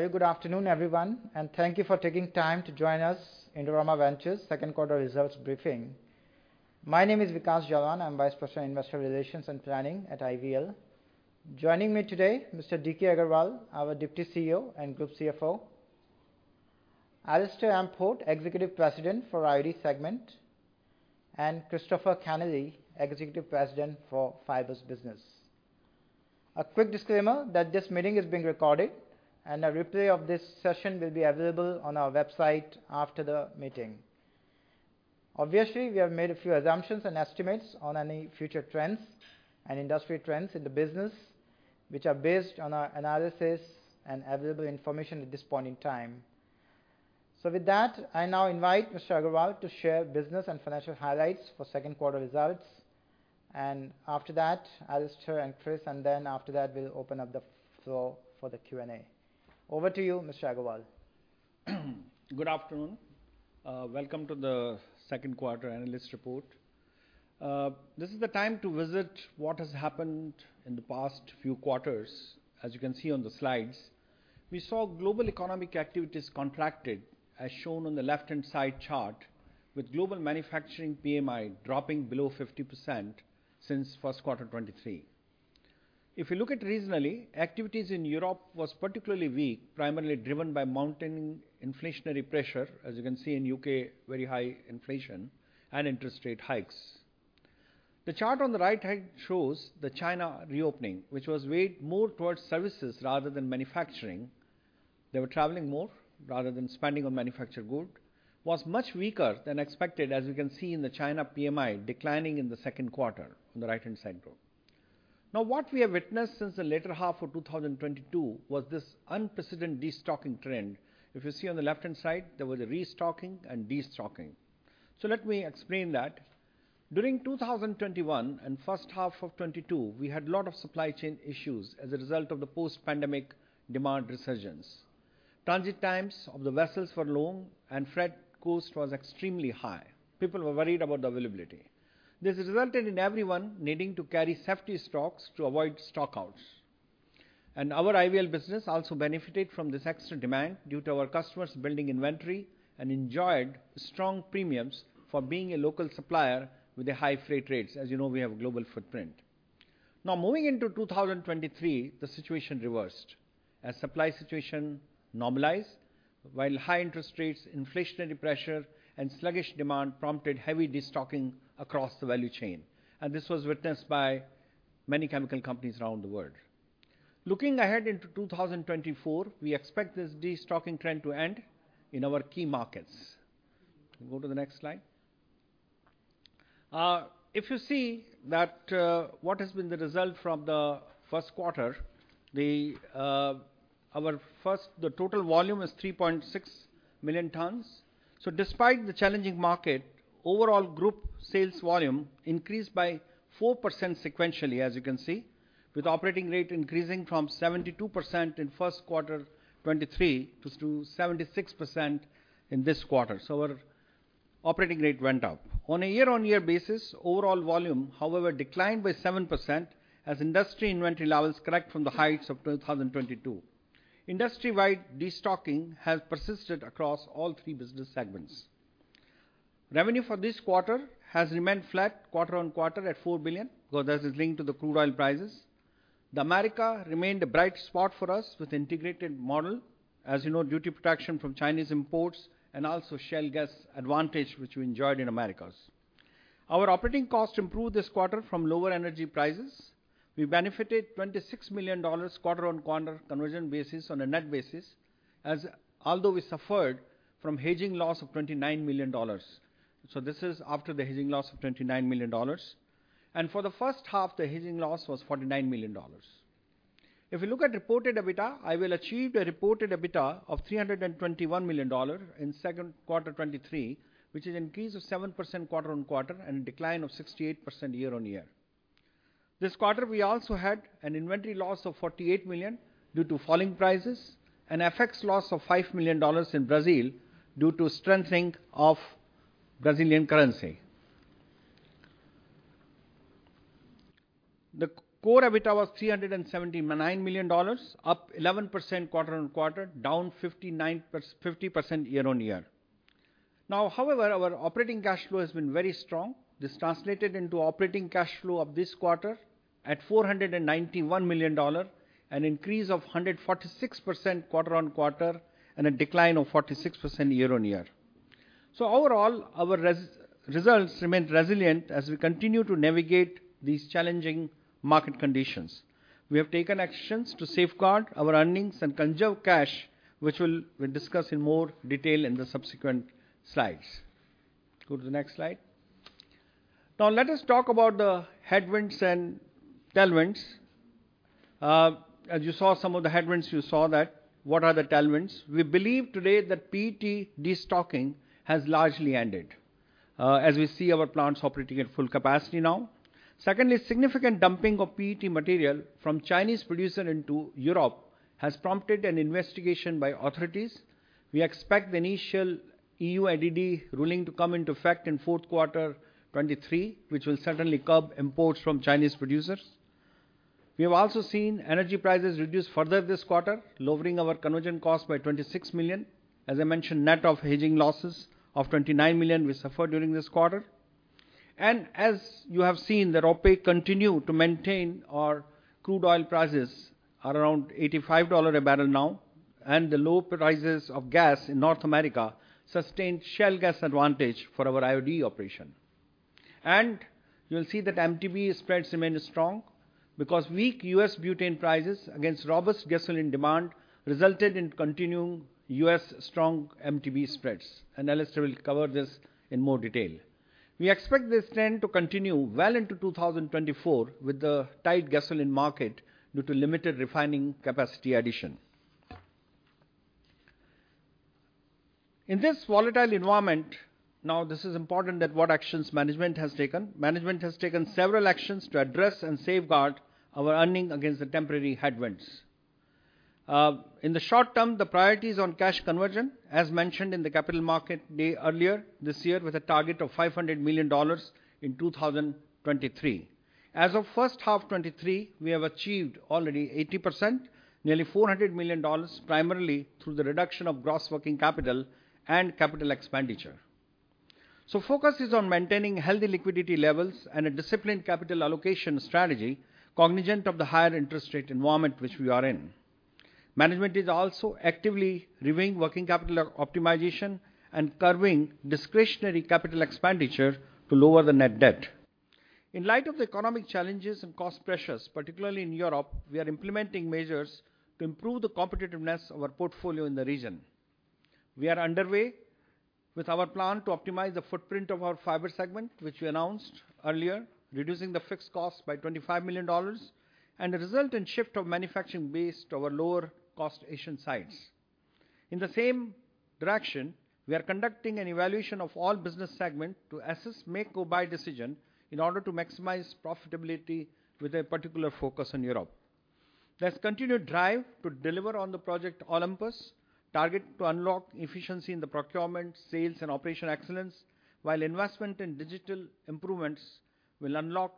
Very good afternoon, everyone. Thank you for taking time to join us in Indorama Ventures second quarter results briefing. My name is Vikas Jalan, I'm Vice President, Investor Relations and Planning at IVL. Joining me today, Mr. D.K. Agarwal, our Deputy CEO and Group CFO, Alastair Port, Executive President for IOD segment, and Christopher Kenneally, Executive President for Fibers business. A quick disclaimer that this meeting is being recorded, and a replay of this session will be available on our website after the meeting. Obviously, we have made a few assumptions and estimates on any future trends and industry trends in the business, which are based on our analysis and available information at this point in time. With that, I now invite Mr. Agarwal to share business and financial highlights for second quarter results. After that, Alastair and Chris, and then after that, we'll open up the floor for the Q&A. Over to you, Mr. Agarwal. Good afternoon. Welcome to the second quarter analyst report. This is the time to visit what has happened in the past few quarters. As you can see on the slides, we saw global economic activities contracted, as shown on the left-hand side chart, with global manufacturing PMI dropping below 50% since first quarter 2023. If you look at regionally, activities in Europe was particularly weak, primarily driven by mounting inflationary pressure, as you can see in U.K., very high inflation and interest rate hikes. The chart on the right hand shows the China reopening, which was weighed more towards services rather than manufacturing. They were traveling more rather than spending on manufactured good, was much weaker than expected, as you can see in the China PMI, declining in the second quarter on the right-hand side row. Now, what we have witnessed since the latter half of 2022 was this unprecedented destocking trend. If you see on the left-hand side, there was a restocking and destocking. Let me explain that. During 2021 and first half of 2022, we had a lot of supply chain issues as a result of the post-pandemic demand resurgence. Transit times of the vessels were long and freight cost was extremely high. People were worried about the availability. This resulted in everyone needing to carry safety stocks to avoid stock outs. Our IVL business also benefited from this extra demand due to our customers building inventory and enjoyed strong premiums for being a local supplier with a high freight rates. As you know, we have a global footprint. Now, moving into 2023, the situation reversed as supply situation normalized, while high interest rates, inflationary pressure, and sluggish demand prompted heavy destocking across the value chain. This was witnessed by many chemical companies around the world. Looking ahead into 2024, we expect this destocking trend to end in our key markets. Go to the next slide. If you see that, what has been the result from the first quarter, the total volume is 3.6 million tons. Despite the challenging market, overall group sales volume increased by 4% sequentially, as you can see, with operating rate increasing from 72% in first quarter 2023, to 76% in this quarter. Our operating rate went up. On a year-on-year basis, overall volume, however, declined by 7% as industry inventory levels correct from the heights of 2022. Industry-wide, destocking has persisted across all three business segments. Revenue for this quarter has remained flat quarter-on-quarter at $4 billion, because that is linked to the crude oil prices. The America remained a bright spot for us with integrated model, as you know, duty protection from Chinese imports and also shale gas advantage, which we enjoyed in Americas. Our operating costs improved this quarter from lower energy prices. We benefited $26 million quarter-on-quarter conversion basis on a net basis, as although we suffered from hedging loss of $29 million. This is after the hedging loss of $29 million. For the first half, the hedging loss was $49 million. If you look at reported EBITDA, I will achieve a reported EBITDA of $321 million in second quarter 2023, which is an increase of 7% quarter-on-quarter and a decline of 68% year-on-year. This quarter, we also had an inventory loss of $48 million due to falling prices and FX loss of $5 million in Brazil due to strengthening of Brazilian currency. The core EBITDA was $379 million, up 11% quarter-on-quarter, down 50% year-on-year. However, our operating cash flow has been very strong. This translated into operating cash flow of this quarter at $491 million, an increase of 146% quarter-on-quarter, and a decline of 46% year-on-year. Overall, our results remain resilient as we continue to navigate these challenging market conditions. We have taken actions to safeguard our earnings and conserve cash, which we'll discuss in more detail in the subsequent slides. Go to the next slide. Now, let us talk about the headwinds and tailwinds. As you saw some of the headwinds, you saw that what are the tailwinds. We believe today that PET destocking has largely ended, as we see our plants operating at full capacity now. Secondly, significant dumping of PET material from Chinese producer into Europe has prompted an investigation by authorities. We expect the initial EU ADD ruling to come into effect in fourth quarter 2023, which will certainly curb imports from Chinese producers. We have also seen energy prices reduce further this quarter, lowering our conversion costs by $26 million. As I mentioned, net of hedging losses of $29 million we suffered during this quarter. As you have seen, the OPEC continue to maintain our crude oil prices at around $85 a barrel now, and the low prices of gas in North America sustain shale gas advantage for our IOD operation. You will see that MTBE spreads remain strong, because weak U.S. butane prices against robust gasoline demand resulted in continued U.S. strong MTBE spreads, and Alastair will cover this in more detail. We expect this trend to continue well into 2024, with the tight gasoline market due to limited refining capacity addition. In this volatile environment, now, this is important that what actions management has taken. Management has taken several actions to address and safeguard our earnings against the temporary headwinds. In the short term, the priority is on cash conversion, as mentioned in the Capital Markets Day earlier this year, with a target of $500 million in 2023. As of first half 2023, we have achieved already 80%, nearly $400 million, primarily through the reduction of gross working capital and capital expenditure. Focus is on maintaining healthy liquidity levels and a disciplined capital allocation strategy, cognizant of the higher interest rate environment which we are in. Management is also actively reviewing working capital optimization and curbing discretionary capital expenditure to lower the net debt. In light of the economic challenges and cost pressures, particularly in Europe, we are implementing measures to improve the competitiveness of our portfolio in the region. We are underway with our plan to optimize the footprint of our Fibers segment, which we announced earlier, reducing the fixed costs by $25 million, and the result in shift of manufacturing base to our lower cost Asian sites. In the same direction, we are conducting an evaluation of all business segment to assess, make, or buy decision in order to maximize profitability with a particular focus on Europe. There's continued drive to deliver on the Project Olympus, target to unlock efficiency in the procurement, sales and operational excellence, while investment in digital improvements will unlock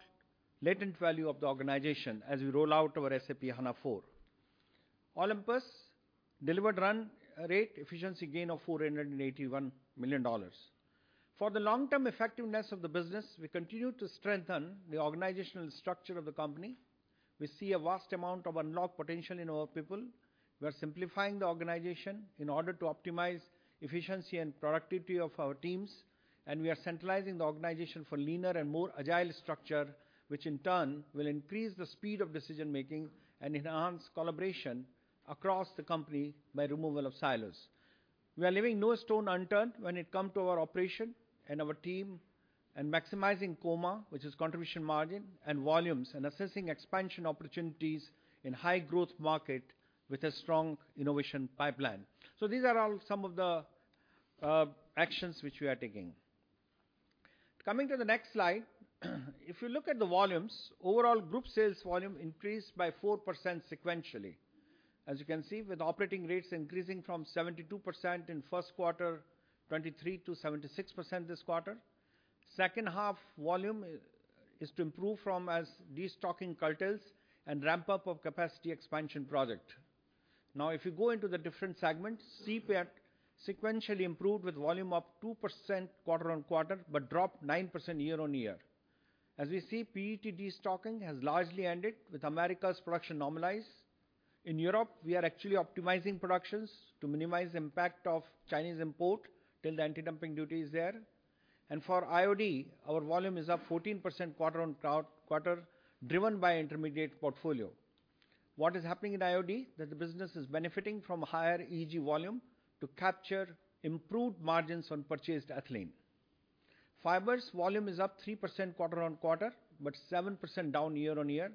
latent value of the organization as we roll out our SAP S/4HANA. Olympus delivered run rate efficiency gain of $481 million. For the long-term effectiveness of the business, we continue to strengthen the organizational structure of the company. We see a vast amount of unlocked potential in our people. We are simplifying the organization in order to optimize efficiency and productivity of our teams, and we are centralizing the organization for leaner and more agile structure, which in turn will increase the speed of decision-making and enhance collaboration across the company by removal of silos. We are leaving no stone unturned when it come to our operation and our team, and maximizing CoMa, which is contribution, margin, and volumes, and assessing expansion opportunities in high growth market with a strong innovation pipeline. These are all some of the actions which we are taking. Coming to the next slide, if you look at the volumes, overall group sales volume increased by 4% sequentially. As you can see, with operating rates increasing from 72% in first quarter 2023 to 76% this quarter. Second half volume is to improve as destocking curtails and ramp up of capacity expansion project. If you go into the different segments, CPET sequentially improved with volume up 2% quarter-on-quarter, but dropped 9% year-on-year. As we see, PET destocking has largely ended, with Americas production normalized. In Europe, we are actually optimizing productions to minimize the impact of Chinese import till the anti-dumping duty is there. For IOD, our volume is up 14% quarter-on-quarter, driven by intermediate portfolio. What is happening in IOD? The business is benefiting from a higher EG volume to capture improved margins on purchased ethylene. Fibers volume is up 3% quarter-on-quarter, but 7% down year-on-year.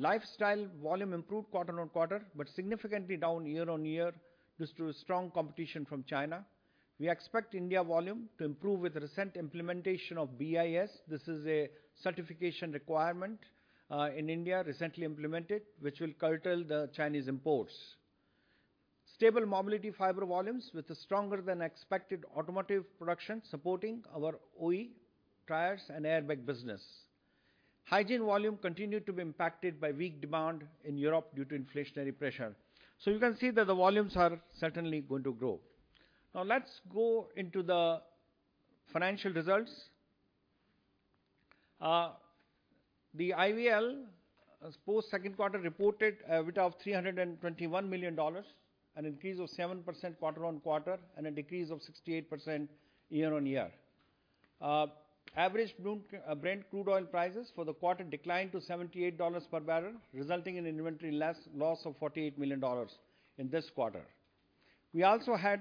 Lifestyle volume improved quarter-on-quarter, but significantly down year-on-year due to strong competition from China. We expect India volume to improve with the recent implementation of BIS. This is a certification requirement in India, recently implemented, which will curtail the Chinese imports. Stable Mobility Fibers volumes with a stronger than expected automotive production supporting our OE tires and airbag business. Hygiene volume continued to be impacted by weak demand in Europe due to inflationary pressure. You can see that the volumes are certainly going to grow. Now, let's go into the financial results. The IVL post-second quarter reported a EBITDA of $321 million, an increase of 7% quarter-on-quarter, and a decrease of 68% year-on-year. Average Brent crude oil prices for the quarter declined to $78 per barrel, resulting in inventory loss of $48 million in this quarter. We also had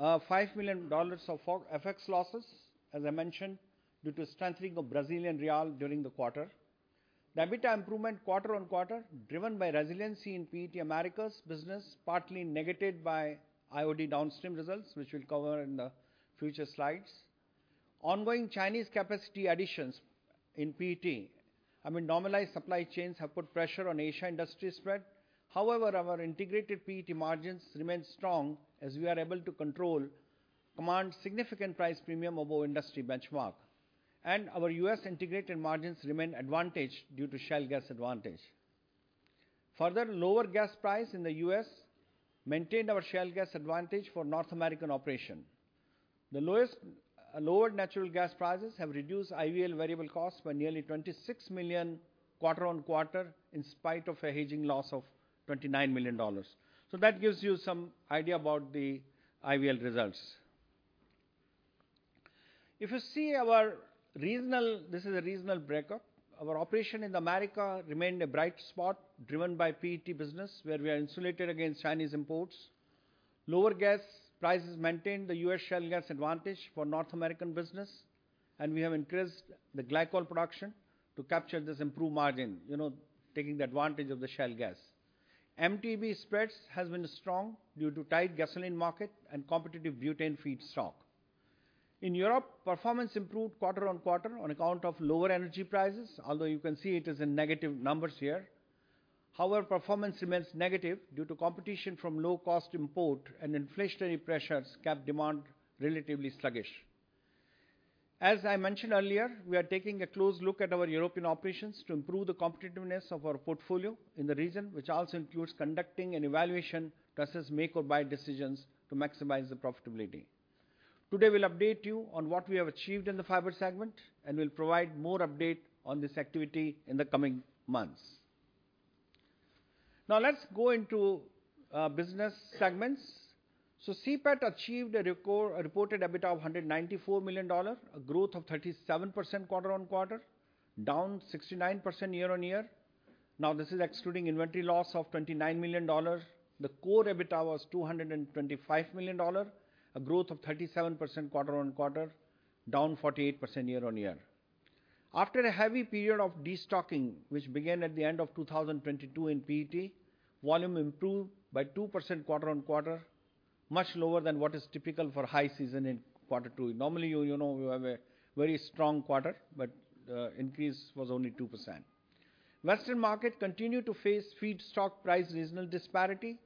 $5 million of FX losses, as I mentioned, due to strengthening of Brazilian real during the quarter. The EBITDA improvement quarter-on-quarter, driven by resiliency in PET Americas business, partly negated by IOD downstream results, which we'll cover in the future slides. Ongoing Chinese capacity additions in PET, I mean, normalized supply chains have put pressure on Asia industry spread. However, our integrated PET margins remain strong as we are able to control, command significant price premium above industry benchmark, and our U.S. integrated margins remain advantaged due to shale gas advantage. Further, lower gas price in the U.S. maintained our shale gas advantage for North American operation. Lower natural gas prices have reduced IVL variable costs by nearly $26 million quarter-on-quarter, in spite of a hedging loss of $29 million. That gives you some idea about the IVL results. If you see our regional, this is a regional breakup. Our operation in America remained a bright spot, driven by PET business, where we are insulated against Chinese imports. Lower gas prices maintained the U.S. shale gas advantage for North American business, and we have increased the glycol production to capture this improved margin, you know, taking the advantage of the shale gas. MTBE spreads has been strong due to tight gasoline market and competitive butane feedstock. In Europe, performance improved quarter-on-quarter on account of lower energy prices, although you can see it is in negative numbers here. However, performance remains negative due to competition from low-cost import and inflationary pressures kept demand relatively sluggish. As I mentioned earlier, we are taking a close look at our European operations to improve the competitiveness of our portfolio in the region, which also includes conducting an evaluation to assess make or buy decisions to maximize the profitability. Today, we'll update you on what we have achieved in the Fibers segment. We'll provide more update on this activity in the coming months. Let's go into business segments. CPET achieved a reported EBITDA of $194 million, a growth of 37% quarter-on-quarter, down 69% year-on-year. This is excluding inventory loss of $29 million. The core EBITDA was $225 million, a growth of 37% quarter-on-quarter, down 48% year-on-year. After a heavy period of destocking, which began at the end of 2022 in PET, volume improved by 2% quarter-on-quarter, much lower than what is typical for high season in quarter two. Normally, you know, we have a very strong quarter, increase was only 2%. Western market continued to face feedstock price regional disparity,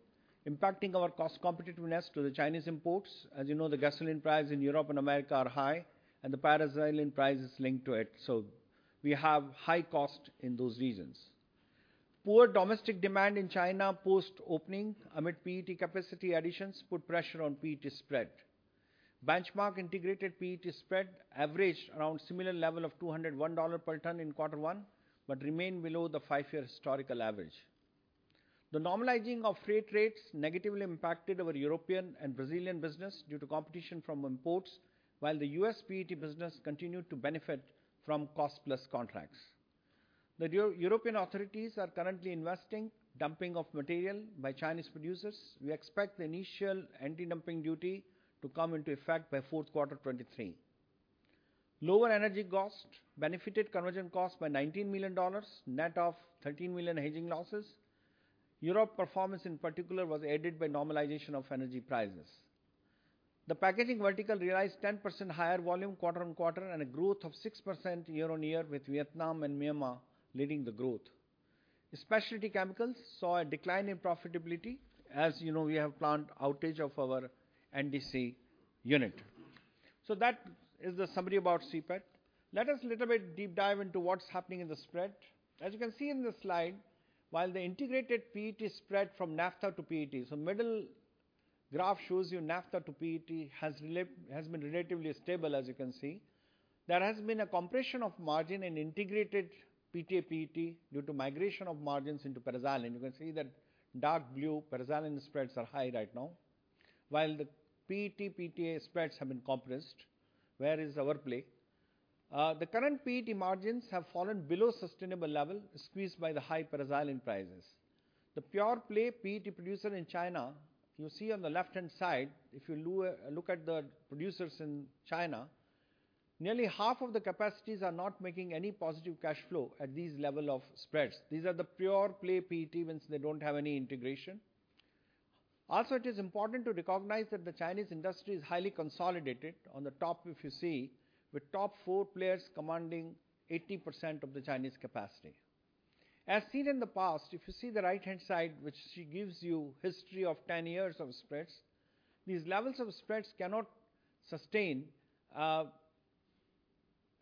impacting our cost competitiveness to the Chinese imports. As you know, the gasoline price in Europe and America are high, the paraxylene price is linked to it, so we have high cost in those regions. Poor domestic demand in China post-opening, amid PET capacity additions, put pressure on PET spread. Benchmark integrated PET spread averaged around similar level of $201 per ton in quarter one, remained below the 5-year historical average. The normalizing of freight rates negatively impacted our European and Brazilian business due to competition from imports, while the U.S. PET business continued to benefit from cost-plus contracts. The European authorities are currently investing, dumping of material by Chinese producers. We expect the initial anti-dumping duty to come into effect by fourth quarter 2023. Lower energy cost benefited conversion cost by $19 million, net of $13 million hedging losses. Europe performance, in particular, was aided by normalization of energy prices. The packaging vertical realized 10% higher volume quarter-on-quarter, and a growth of 6% year-on-year, with Vietnam and Myanmar leading the growth. Specialty chemicals saw a decline in profitability. As you know, we have plant outage of our NDC unit. That is the summary about CPET. Let us little bit deep dive into what's happening in the spread. As you can see in the slide, while the integrated PET spread from Naphtha to PET... middle graph shows you Naphtha to PET has been relatively stable, as you can see. There has been a compression of margin in integrated PTA, PET due to migration of margins into paraxylene. You can see that dark blue paraxylene spreads are high right now, while the PET, PTA spreads have been compressed. Where is our play? The current PET margins have fallen below sustainable level, squeezed by the high paraxylene prices. The pure play PET producer in China, you see on the left-hand side, if you look at the producers in China, nearly half of the capacities are not making any positive cash flow at these level of spreads. These are the pure play PET, means they don't have any integration. It is important to recognize that the Chinese industry is highly consolidated. On the top, if you see, with top four players commanding 80% of the Chinese capacity. As seen in the past, if you see the right-hand side, which she gives you history of 10 years of spreads, these levels of spreads cannot sustain,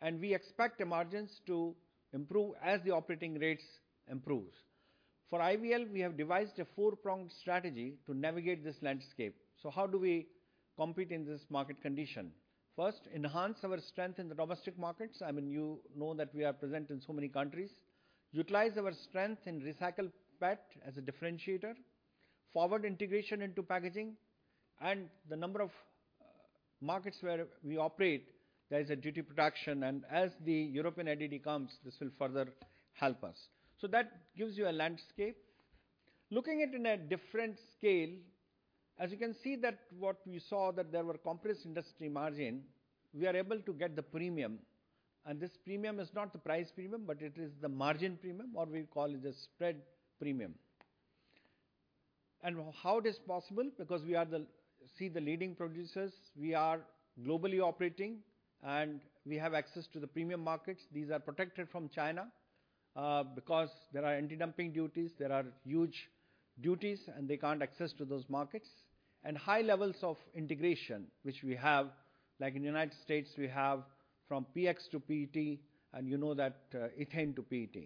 and we expect the margins to improve as the operating rates improves. For IVL, we have devised a four-pronged strategy to navigate this landscape. How do we compete in this market condition? First, enhance our strength in the domestic markets. I mean, you know that we are present in so many countries. Utilize our strength in recycled PET as a differentiator, forward integration into packaging, and the number of markets where we operate, there is a duty protection, and as the European ADD comes, this will further help us. That gives you a landscape. Looking at it in a different scale, as you can see that what we saw, that there were compressed industry margin, we are able to get the premium, and this premium is not the price premium, but it is the margin premium, or we call it the spread premium. How it is possible? Because we are the, see the leading producers, we are globally operating, and we have access to the premium markets. These are protected from China, because there are anti-dumping duties, there are huge duties, and they can't access to those markets. High levels of integration, which we have. Like in the United States, we have from PX to PET, and you know that, ethane to PET.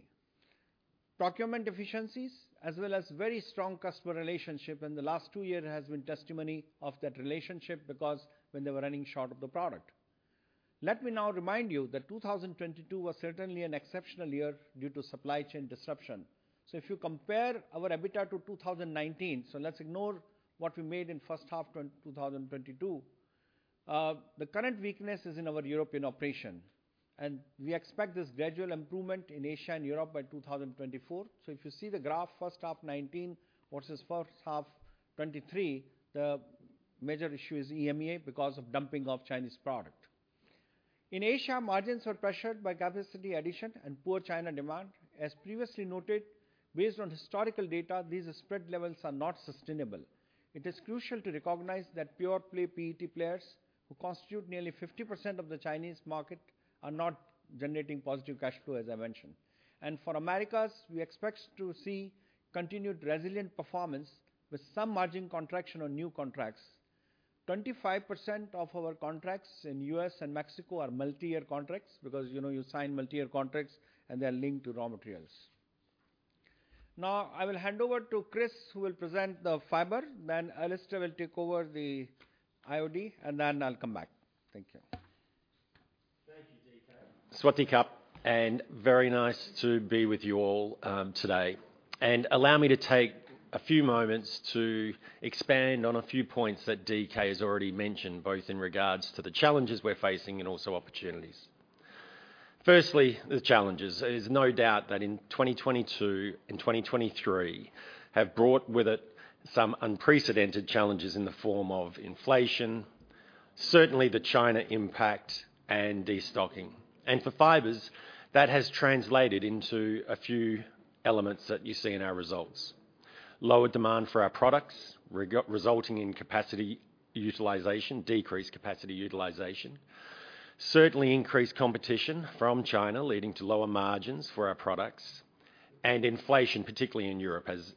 Procurement efficiencies as well as very strong customer relationship, the last 2 years has been testimony of that relationship because when they were running short of the product. Let me now remind you that 2022 was certainly an exceptional year due to supply chain disruption. If you compare our EBITDA to 2019, let's ignore what we made in first half 2022. The current weakness is in our European operation, we expect this gradual improvement in Asia and Europe by 2024. If you see the graph, first half 2019 versus first half 2023, the major issue is EMEA because of dumping of Chinese product. In Asia, margins were pressured by capacity addition and poor China demand. As previously noted, based on historical data, these spread levels are not sustainable. It is crucial to recognize that pure-play PET players, who constitute nearly 50% of the Chinese market, are not generating positive cash flow, as I mentioned. For Americas, we expect to see continued resilient performance with some margin contraction on new contracts. 25% of our contracts in US and Mexico are multi-year contracts because, you know, you sign multi-year contracts, and they are linked to raw materials. Now, I will hand over to Chris, who will present the fiber. Alister will take over the IOD, and then I'll come back. Thank you. Thank you, D.K.. Sawasdee Krub, and very nice to be with you all today. Allow me to take a few moments to expand on a few points that D.K. has already mentioned, both in regards to the challenges we're facing and also opportunities. Firstly, the challenges. There is no doubt that 2022 and 2023 have brought with it some unprecedented challenges in the form of inflation, certainly the China impact and destocking. For Fibers, that has translated into a few elements that you see in our results: lower demand for our products, resulting in decreased capacity utilization, certainly increased competition from China, leading to lower margins for our products, and inflation, particularly in Europe, has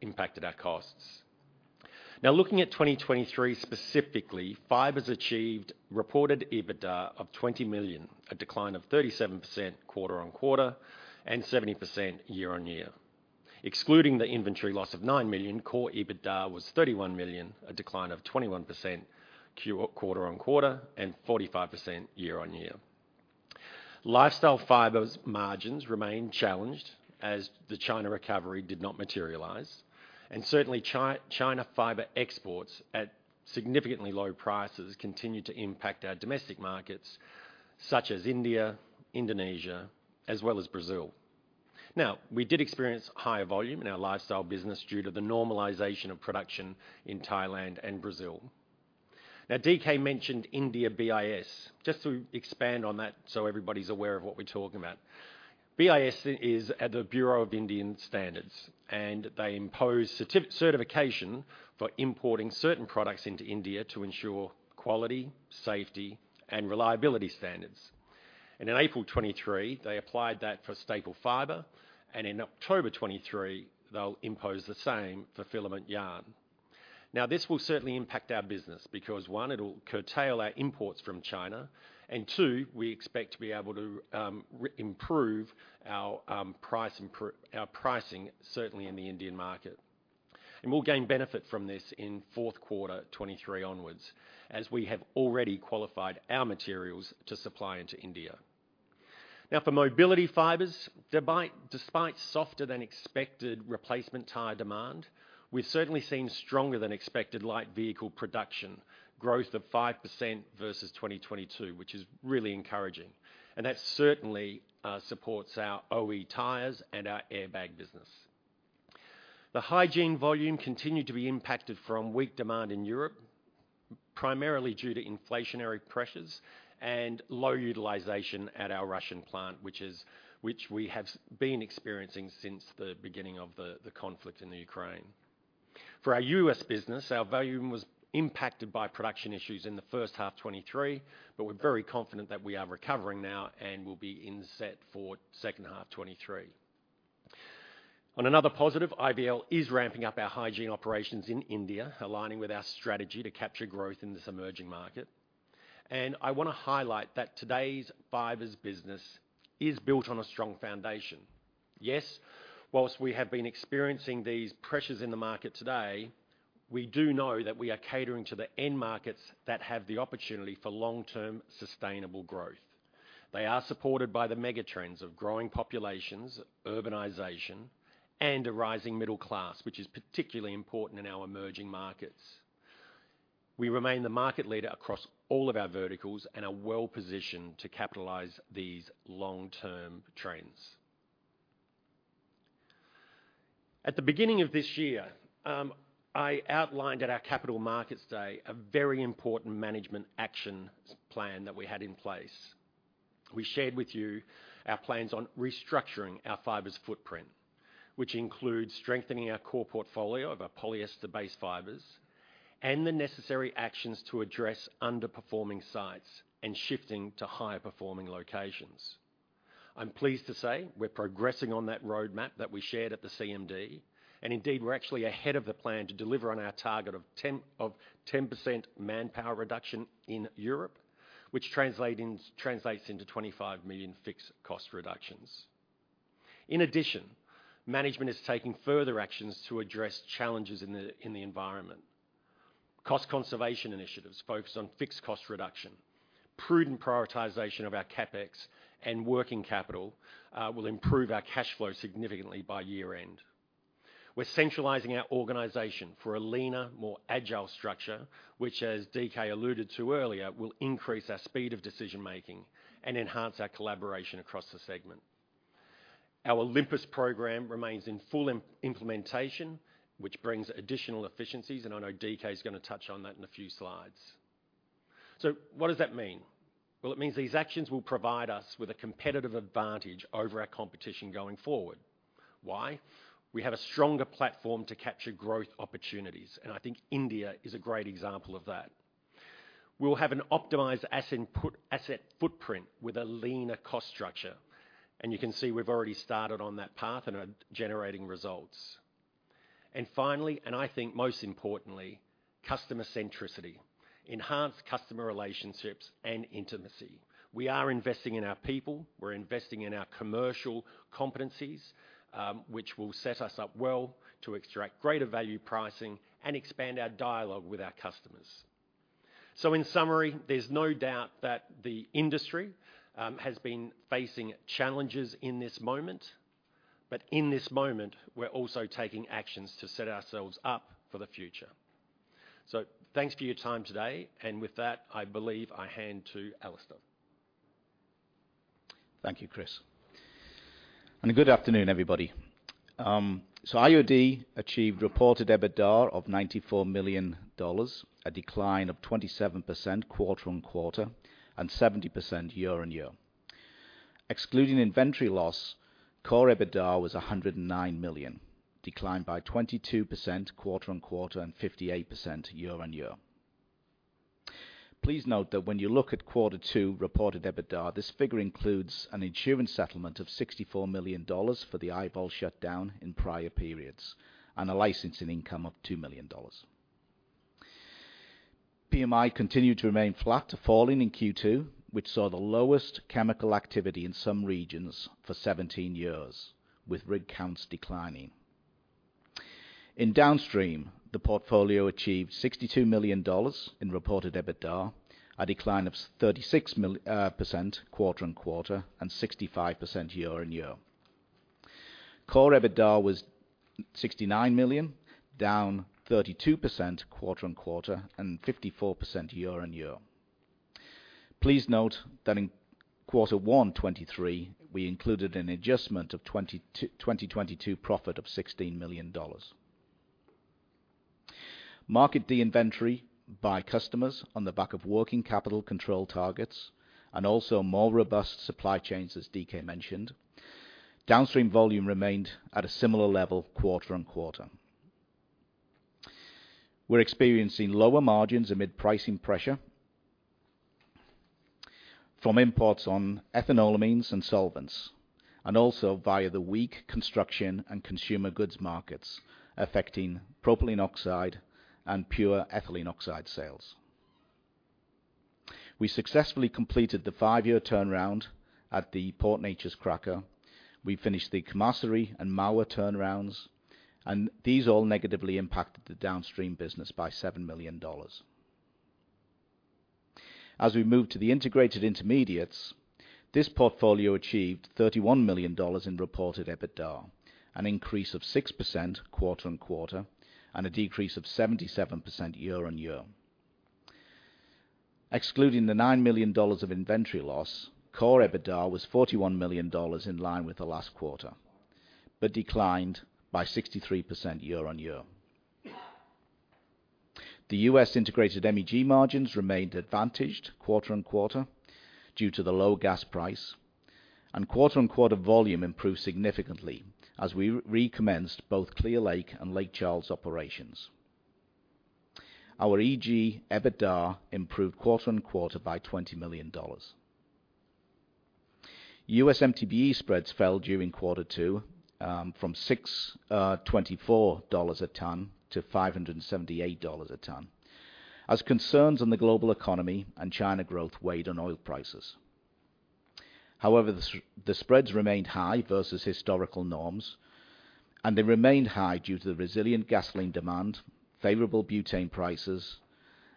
impacted our costs. Looking at 2023 specifically, Fibers achieved reported EBITDA of $20 million, a decline of 37% quarter-on-quarter and 70% year-on-year. Excluding the inventory loss of $9 million, core EBITDA was $31 million, a decline of 21% quarter-on-quarter and 45% year-on-year. Lifestyle Fibers margins remained challenged as the China recovery did not materialize, certainly China fiber exports at significantly low prices continued to impact our domestic markets, such as India, Indonesia, as well as Brazil. We did experience higher volume in our lifestyle business due to the normalization of production in Thailand and Brazil. D.K. mentioned India BIS. Just to expand on that so everybody's aware of what we're talking about. BIS is the Bureau of Indian Standards, they impose certification for importing certain products into India to ensure quality, safety, and reliability standards. In April 2023, they applied that for staple fiber, in October 2023, they'll impose the same for filament yarn. This will certainly impact our business because, one, it'll curtail our imports from China, two, we expect to be able to improve our price and our pricing, certainly in the Indian market. We'll gain benefit from this in fourth quarter 2023 onwards, as we have already qualified our materials to supply into India. For Mobility Fibers, despite softer-than-expected replacement tire demand, we've certainly seen stronger-than-expected light vehicle production, growth of 5% vs. 2022, which is really encouraging. That certainly supports our OE tires and our airbag business. The Hygiene volume continued to be impacted from weak demand in Europe, primarily due to inflationary pressures and low utilization at our Russian plant, which we have been experiencing since the beginning of the conflict in the Ukraine. For our U.S. business, our volume was impacted by production issues in the first half 2023, but we're very confident that we are recovering now and will be in set for second half 2023. On another positive, IBL is ramping up our Hygiene Operations in India, aligning with our strategy to capture growth in this emerging market. I want to highlight that today's Fibers business is built on a strong foundation. Yes, while we have been experiencing these pressures in the market today, we do know that we are catering to the end markets that have the opportunity for long-term, sustainable growth. They are supported by the mega trends of growing populations, urbanization, and a rising middle class, which is particularly important in our emerging markets. We remain the market leader across all of our verticals and are well-positioned to capitalize these long-term trends. At the beginning of this year, I outlined at our Capital Markets Day a very important management action plan that we had in place. We shared with you our plans on restructuring our Fibers footprint, which includes strengthening our core portfolio of our polyester-based Fibers, and the necessary actions to address underperforming sites and shifting to higher performing locations. I'm pleased to say we're progressing on that roadmap that we shared at the CMD, and indeed, we're actually ahead of the plan to deliver on our target of 10% manpower reduction in Europe, which translates into $25 million fixed cost reductions. In addition, management is taking further actions to address challenges in the environment. Cost conservation initiatives focus on fixed cost reduction. Prudent prioritization of our CapEx and working capital will improve our cash flow significantly by year-end. We're centralizing our organization for a leaner, more agile structure, which, as D.K. alluded to earlier, will increase our speed of decision making and enhance our collaboration across the segment. Our Olympus program remains in full implementation, which brings additional efficiencies, and I know D.K. is gonna touch on that in a few slides. What does that mean? Well, it means these actions will provide us with a competitive advantage over our competition going forward. Why? We have a stronger platform to capture growth opportunities, and I think India is a great example of that. We'll have an optimized asset footprint with a leaner cost structure, and you can see we've already started on that path and are generating results. Finally, and I think most importantly, customer centricity, enhanced customer relationships and intimacy. We are investing in our people, we're investing in our commercial competencies, which will set us up well to extract greater value pricing and expand our dialogue with our customers. In summary, there's no doubt that the industry has been facing challenges in this moment, but in this moment, we're also taking actions to set ourselves up for the future. Thanks for your time today, and with that, I believe I hand to Alastair. Thank you, Chris. Good afternoon, everybody. IOD achieved reported EBITDA of $94 million, a decline of 27% quarter-on-quarter and 70% year-on-year. Excluding inventory loss, core EBITDA was $109 million, declined by 22% quarter-on-quarter and 58% year-on-year. Please note that when you look at Quarter Two reported EBITDA, this figure includes an insurance settlement of $64 million for the IVOL shutdown in prior periods, and a licensing income of $2 million. PMI continued to remain flat to falling in Q2, which saw the lowest chemical activity in some regions for 17 years, with rig counts declining. In Downstream, the portfolio achieved $62 million in reported EBITDA, a decline of 36% quarter-on-quarter and 65% year-on-year. Core EBITDA was $69 million, down 32% quarter-on-quarter and 54% year-on-year. Please note that in Q1 2023, we included an adjustment of 2022 profit of $16 million. Market de-inventory by customers on the back of working capital control targets and also more robust supply chains, as D.K. mentioned, downstream volume remained at a similar level quarter-on-quarter. We're experiencing lower margins amid pricing pressure from imports on ethanolamines and solvents, and also via the weak construction and consumer goods markets, affecting propylene oxide and pure ethylene oxide sales. We successfully completed the five-year turnaround at the Port Neches cracker. We finished the Camaçari and Mauá turnarounds. These all negatively impacted the downstream business by $7 million. As we move to the integrated intermediates, this portfolio achieved $31 million in reported EBITDA, an increase of 6% quarter-on-quarter and a decrease of 77% year-on-year. Excluding the $9 million of inventory loss, core EBITDA was $41 million in line with the last quarter, declined by 63% year-on-year. The U.S. integrated MEG margins remained advantaged quarter-on-quarter due to the low gas price. Quarter-on-quarter volume improved significantly as we recommenced both Clear Lake and Lake Charles operations. Our EG EBITDA improved quarter-on-quarter by $20 million. U.S. MTBE spreads fell during Quarter Two, from $624 a ton to $578 a ton, as concerns on the global economy and China growth weighed on oil prices. However, the spreads remained high versus historical norms, and they remained high due to the resilient gasoline demand, favorable butane prices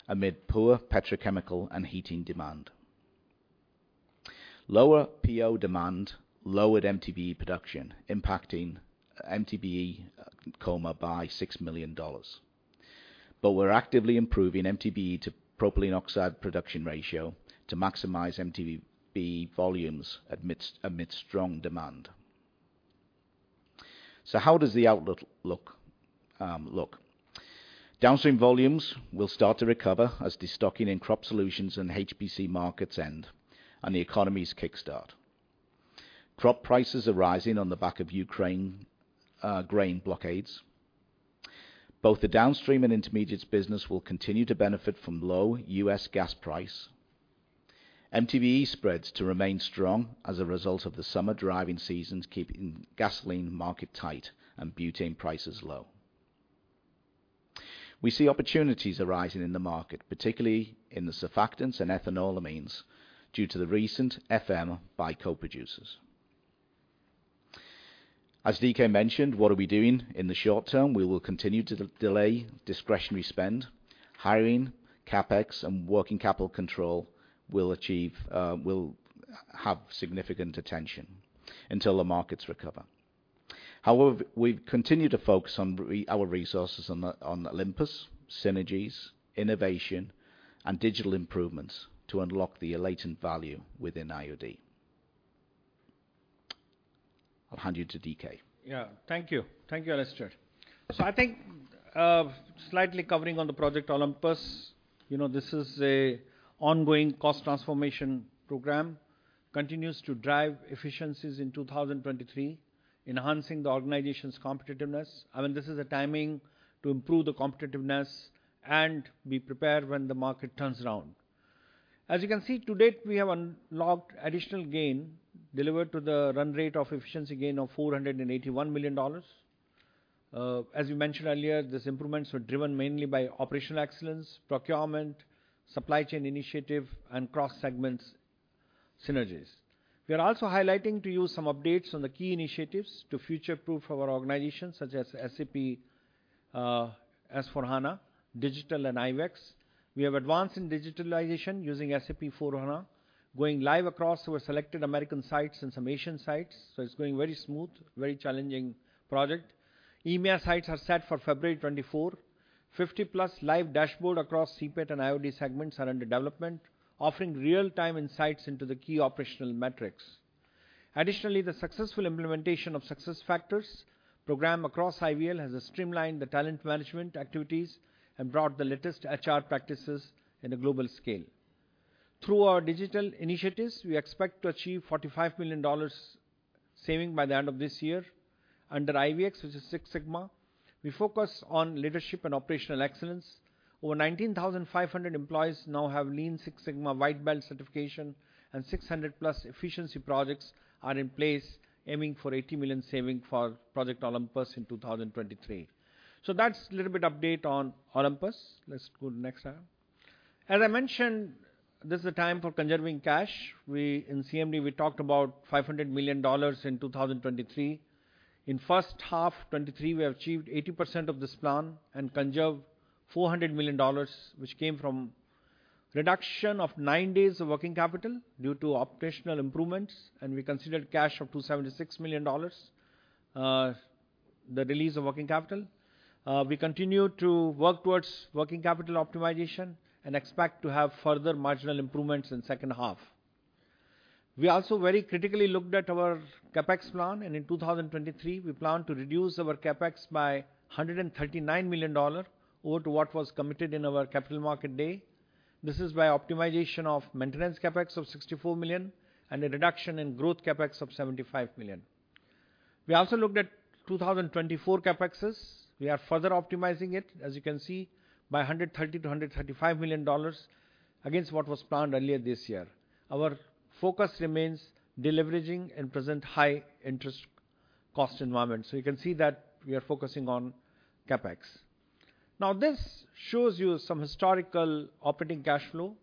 amid poor petrochemical and heating demand. Lower PO demand lowered MTBE production, impacting MTBE CoMa by $6 million. We're actively improving MTBE to propylene oxide production ratio to maximize MTBE volumes amidst strong demand. How does the outlook look? Downstream volumes will start to recover as destocking in crop solutions and HBC markets end, and the economies kick-start. Crop prices are rising on the back of Ukraine grain blockades. Both the downstream and intermediates business will continue to benefit from low U.S. gas price. MTBE spreads to remain strong as a result of the summer driving seasons, keeping gasoline market tight and butane prices low. We see opportunities arising in the market, particularly in the surfactants and ethanolamines, due to the recent FM by co-producers. As D.K. mentioned, what are we doing in the short term? We will continue to de-delay discretionary spend, hiring, CapEx, and working capital control will have significant attention until the markets recover. However, we've continued to focus on our resources on Olympus, synergies, innovation, and digital improvements to unlock the latent value within IOD. I'll hand you to D.K.. Yeah. Thank you. Thank you, Alastair. I think, slightly covering on the Project Olympus, you know, this is a ongoing cost transformation program, continues to drive efficiencies in 2023, enhancing the organization's competitiveness. I mean, this is a timing to improve the competitiveness and be prepared when the market turns around. As you can see, to date, we have unlocked additional gain delivered to the run rate of efficiency gain of $481 million. As you mentioned earlier, these improvements were driven mainly by operational excellence, procurement, supply chain initiative, and cross-segments synergies. We are also highlighting to you some updates on the key initiatives to future-proof our organization, such as SAP S/4HANA, digital, and IVX. We have advanced in digitalization using SAP S/4HANA, going live across our selected American sites and some Asian sites. It's going very smooth, very challenging project. EMEA sites are set for February 2024. 50-plus live dashboard across CPET and IOD segments are under development, offering real-time insights into the key operational metrics. Additionally, the successful implementation of SAP SuccessFactors program across IVL has streamlined the talent management activities and brought the latest HR practices in a global scale. Through our digital initiatives, we expect to achieve $45 million saving by the end of this year. Under IVX, which is Six Sigma, we focus on leadership and operational excellence. Over 19,500 employees now have Lean Six Sigma White Belt certification, and 600-plus efficiency projects are in place, aiming for $80 million saving for Project Olympus in 2023. That's a little bit update on Olympus. Let's go to the next slide. As I mentioned, this is a time for conserving cash. In CMD, we talked about $500 million in 2023. In first half 2023, we have achieved 80% of this plan and conserved $400 million, which came from reduction of 9 days of working capital due to operational improvements. We considered cash up to $76 million, the release of working capital. We continue to work towards working capital optimization and expect to have further marginal improvements in second half. We also very critically looked at our CapEx plan. In 2023, we plan to reduce our CapEx by $139 million over to what was committed in our Capital Markets Day. This is by optimization of maintenance CapEx of $64 million and a reduction in growth CapEx of $75 million. We also looked at 2024 CapExes. We are further optimizing it, as you can see, by $130 million-$135 million against what was planned earlier this year. Our focus remains deleveraging in present high interest cost environment. You can see that we are focusing on CapEx. This shows you some historical operating cash flow.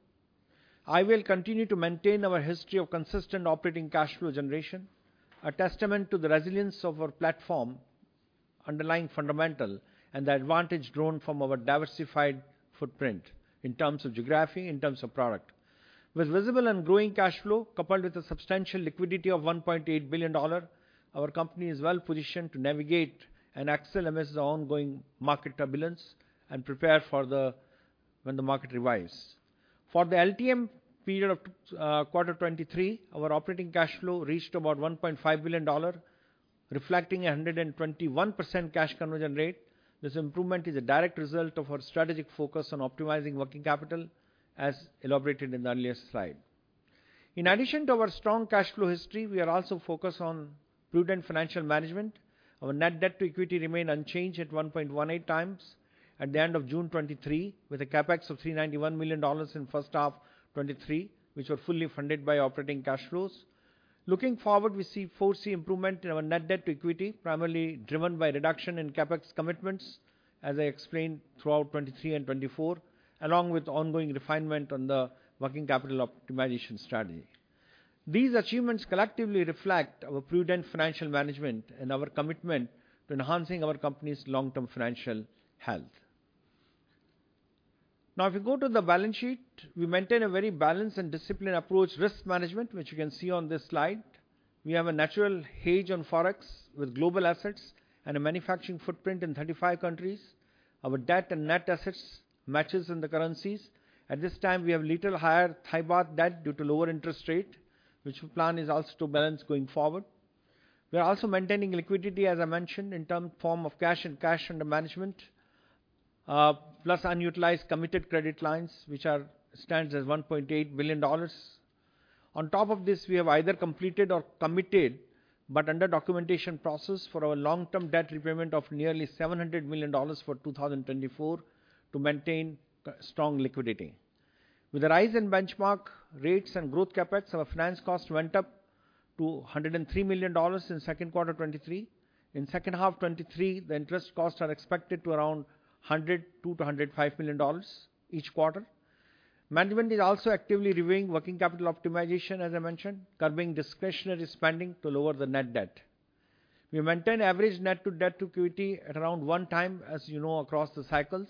I will continue to maintain our history of consistent operating cash flow generation, a testament to the resilience of our platform, underlying fundamental, and the advantage grown from our diversified footprint in terms of geography, in terms of product. With visible and growing cash flow, coupled with a substantial liquidity of $1.8 billion, our company is well positioned to navigate and excel amidst the ongoing market turbulence and prepare for when the market revives. For the LTM period of quarter 23, our operating cash flow reached about $1.5 billion, reflecting a 121% cash conversion rate. This improvement is a direct result of our strategic focus on optimizing working capital, as elaborated in the earlier slide. In addition to our strong cash flow history, we are also focused on prudent financial management. Our net debt to equity remain unchanged at 1.18 times at the end of June 23, with a CapEx of $391 million in first half 23, which were fully funded by operating cash flows. Looking forward, we see 4C improvement in our net debt to equity, primarily driven by reduction in CapEx commitments, as I explained, throughout 23 and 24, along with ongoing refinement on the working capital optimization strategy. These achievements collectively reflect our prudent financial management and our commitment to enhancing our company's long-term financial health. If you go to the balance sheet, we maintain a very balanced and disciplined approach to risk management, which you can see on this slide. We have a natural hedge on Forex with global assets and a manufacturing footprint in 35 countries. Our debt and net assets matches in the currencies. At this time, we have a little higher Thai baht debt due to lower interest rate. which we plan is also to balance going forward. We are also maintaining liquidity, as I mentioned, in term, form of cash and cash under management, plus unutilized committed credit lines, which stands as $1.8 billion. On top of this, we have either completed or committed, but under documentation process for our long-term debt repayment of nearly $700 million for 2024 to maintain strong liquidity. With the rise in benchmark rates and growth CapEx, our finance costs went up to $103 million in second quarter 2023. In second half 2023, the interest costs are expected to around $100 million-$205 million each quarter. Management is also actively reviewing working capital optimization, as I mentioned, curbing discretionary spending to lower the net debt. We maintain average net-to-debt to equity at around one time, as you know, across the cycles.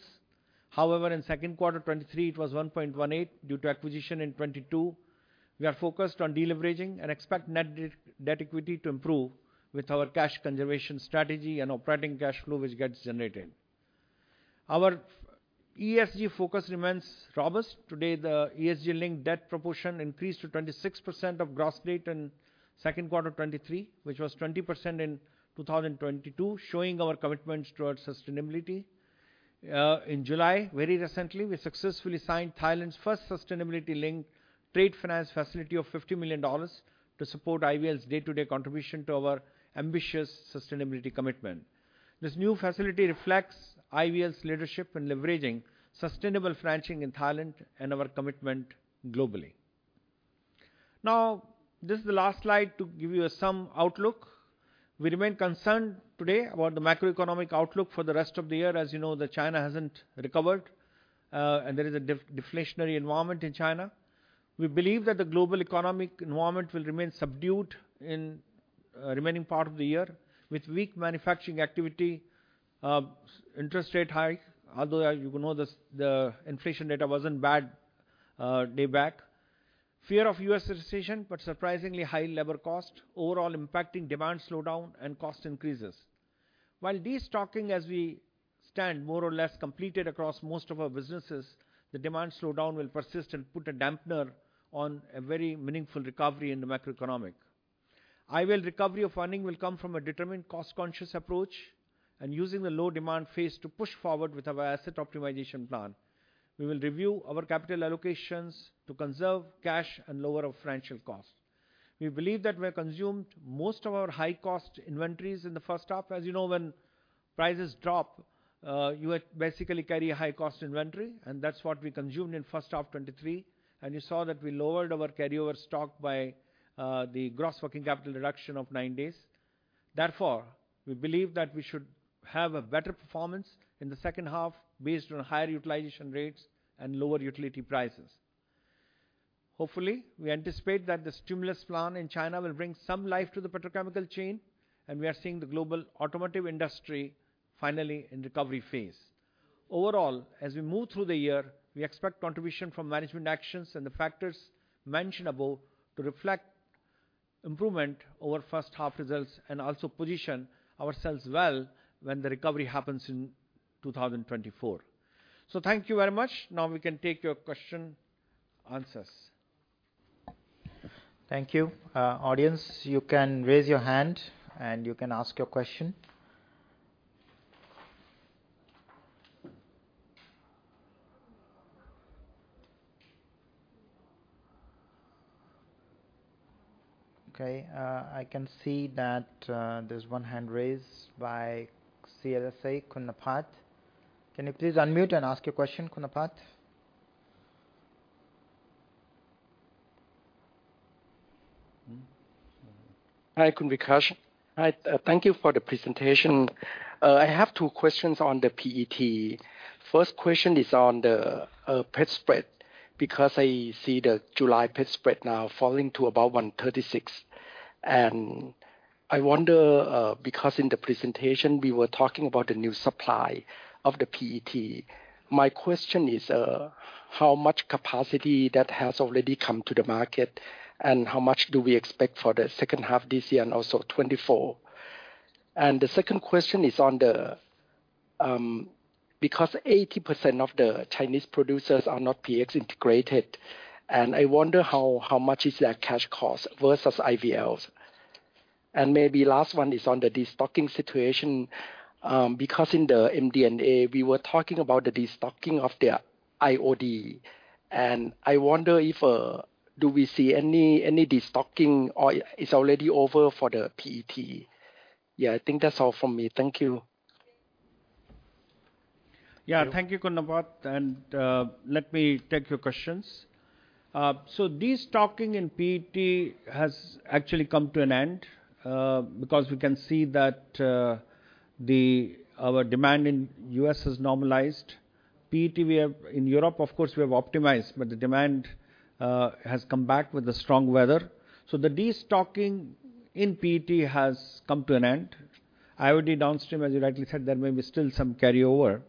However, in second quarter 2023, it was 1.18 due to acquisition in 2022. We are focused on deleveraging and expect net net equity to improve with our cash conservation strategy and operating cash flow, which gets generated. Our ESG focus remains robust. Today, the ESG-linked debt proportion increased to 26% of gross debt in second quarter 2023, which was 20% in 2022, showing our commitment towards sustainability. In July, very recently, we successfully signed Thailand's first sustainability-linked trade finance facility of $50 million to support IVL's day-to-day contribution to our ambitious sustainability commitment. This new facility reflects IVL's leadership in leveraging sustainable financing in Thailand and our commitment globally. This is the last slide to give you some outlook. We remain concerned today about the macroeconomic outlook for the rest of the year. As you know, that China hasn't recovered, and there is a deflationary environment in China. We believe that the global economic environment will remain subdued in remaining part of the year, with weak manufacturing activity, interest rate high, although, as you know, this, the inflation data wasn't bad day back. Fear of U.S. recession, but surprisingly high labor cost, overall impacting demand slowdown and cost increases. While destocking, as we stand, more or less completed across most of our businesses, the demand slowdown will persist and put a dampener on a very meaningful recovery in the macroeconomic. IVL recovery of earning will come from a determined, cost-conscious approach and using the low demand phase to push forward with our asset optimization plan. We will review our capital allocations to conserve cash and lower our financial costs. We believe that we have consumed most of our high-cost inventories in the first half. As you know, when prices drop, you basically carry a high-cost inventory, and that's what we consumed in first half 2023, and you saw that we lowered our carryover stock by the gross working capital reduction of nine days. Therefore, we believe that we should have a better performance in the second half, based on higher utilization rates and lower utility prices. Hopefully, we anticipate that the stimulus plan in China will bring some life to the petrochemical chain, and we are seeing the global automotive industry finally in recovery phase. Overall, as we move through the year, we expect contribution from management actions and the factors mentionable to reflect improvement over first half results, and also position ourselves well when the recovery happens in 2024. Thank you very much. Now we can take your question, answers. Thank you. Audience, you can raise your hand, and you can ask your question. Okay, I can see that there's one hand raised by CLSA, Kunaphat. Can you please unmute and ask your question, Kunaphat? Hi, Vikash. Hi, thank you for the presentation. I have two questions on the PET. First question is on the PET spread, because I see the July PET spread now falling to about $136. I wonder, because in the presentation, we were talking about the new supply of the PET. My question is, how much capacity that has already come to the market, and how much do we expect for the second half this year and also 2024? The second question is, because 80% of the Chinese producers are not PX integrated, and I wonder how much is their cash cost versus IVL's? Maybe last one is on the destocking situation, because in the MD&A, we were talking about the destocking of their IOD, and I wonder if, do we see any, any destocking or it's already over for the PET? Yeah, I think that's all from me. Thank you. Yeah. Thank you, Kunaphat, let me take your questions. Destocking in PET has actually come to an end because we can see that our demand in U.S. has normalized. PET, in Europe, of course, we have optimized, the demand has come back with the strong weather. The destocking in PET has come to an end. IOD downstream, as you rightly said, there may be still some carryover,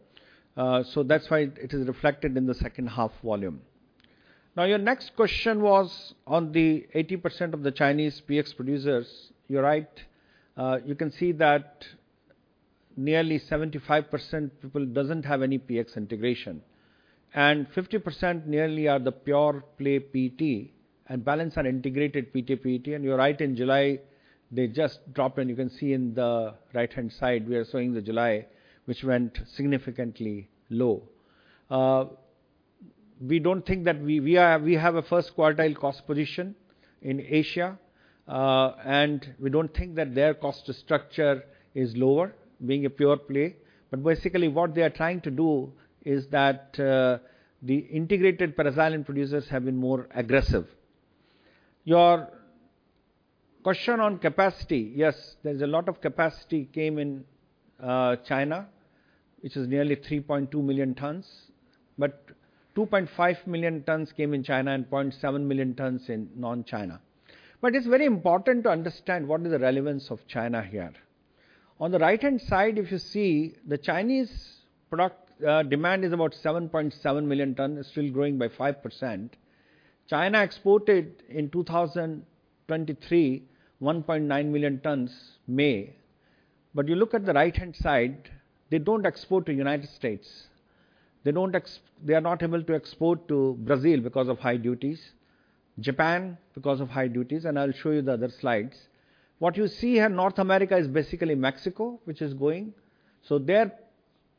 that's why it is reflected in the second half volume. Now, your next question was on the 80% of the Chinese PX producers. You're right. You can see nearly 75% people doesn't have any PX integration, 50% nearly are the pure play PET, balance are integrated PTA, PET. You're right, in July, they just dropped, and you can see in the right-hand side, we are showing the July, which went significantly low. We don't think that we have a first quartile cost position in Asia, and we don't think that their cost structure is lower, being a pure play. Basically, what they are trying to do is that the integrated paraxylene producers have been more aggressive. Your question on capacity, yes, there's a lot of capacity came in China, which is nearly 3.2 million tons, but 2.5 million tons came in China and 0.7 million tons in non-China. It's very important to understand what is the relevance of China here. On the right-hand side, if you see, the Chinese product, demand is about 7.7 million tons, still growing by 5%. China exported, in 2023, 1.9 million tons May. You look at the right-hand side, they don't export to United States. They don't ex-- they are not able to export to Brazil because of high duties, Japan because of high duties, and I'll show you the other slides. What you see here, North America, is basically Mexico, which is going. Their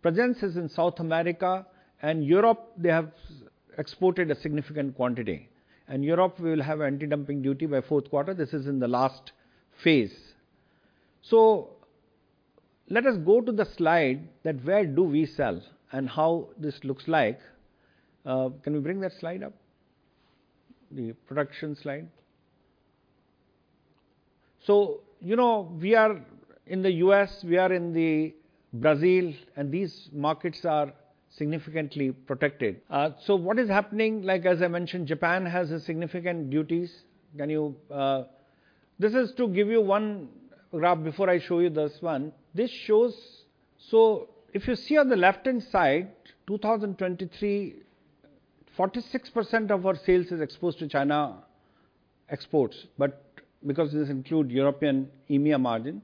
presence is in South America and Europe, they have exported a significant quantity. Europe will have anti-dumping duty by fourth quarter. This is in the last phase. Let us go to the slide that where do we sell and how this looks like. Can you bring that slide up? The production slide. You know, we are in the U.S., we are in Brazil, and these markets are significantly protected. What is happening, like as I mentioned, Japan has significant duties. Can you... This is to give you one wrap before I show you this one. This shows, if you see on the left-hand side, 2023, 46% of our sales is exposed to China exports, but because this include European EMEA margin,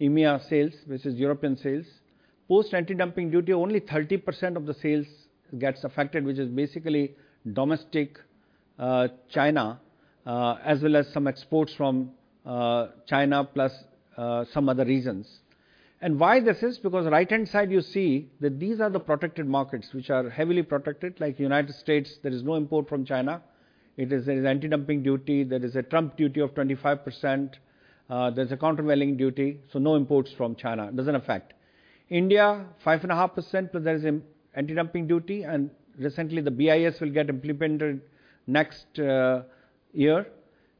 EMEA sales, which is European sales. Post anti-dumping duty, only 30% of the sales gets affected, which is basically domestic China, as well as some exports from China, plus some other regions. Why this is? Because right-hand side, you see that these are the protected markets, which are heavily protected, like United States, there is no import from China. It is, there is anti-dumping duty, there is a Trump duty of 25%, there's a countervailing duty, so no imports from China. It doesn't affect. India, 5.5%, but there is an anti-dumping duty, and recently the BIS will get implemented next year.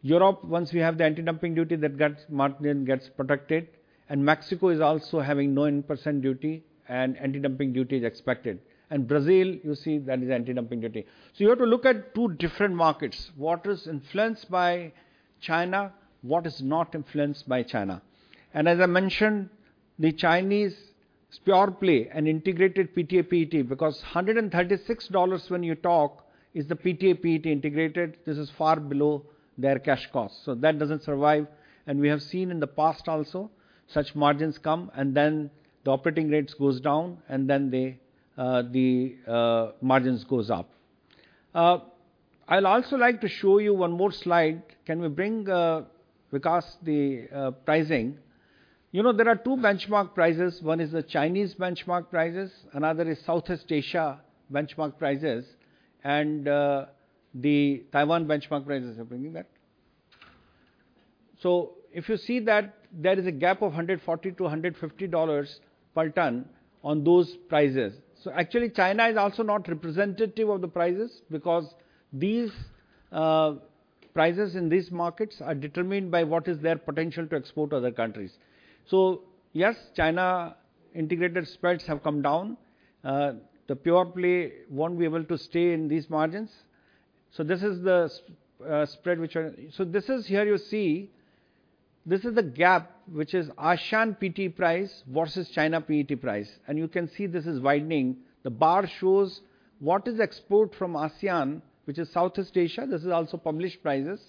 Europe, once we have the anti-dumping duty, that market gets protected. Mexico is also having 9% duty, and anti-dumping duty is expected. Brazil, you see, that is anti-dumping duty. You have to look at two different markets: what is influenced by China, what is not influenced by China. As I mentioned, the Chinese pure play and integrated PTA, PET, because $136 when you talk, is the PTA, PET integrated. This is far below their cash costs, so that doesn't survive. We have seen in the past also, such margins come, and then the operating rates go down, and then they, the margins go up. I'll also like to show you one more slide. Can we bring Vikas, the pricing? You know, there are two benchmark prices. One is the Chinese benchmark prices, another is Southeast Asia benchmark prices, and the Taiwan benchmark prices. You're bringing that? If you see that, there is a gap of $140-$150 per ton on those prices. Actually, China is also not representative of the prices because these prices in these markets are determined by what is their potential to export to other countries. Yes, China integrated spreads have come down. The pure play won't be able to stay in these margins. This is the spread which are. This is, here you see, this is the gap, which is ASEAN PET price versus China PET price, and you can see this is widening. The bar shows what is export from ASEAN, which is Southeast Asia. This is also published prices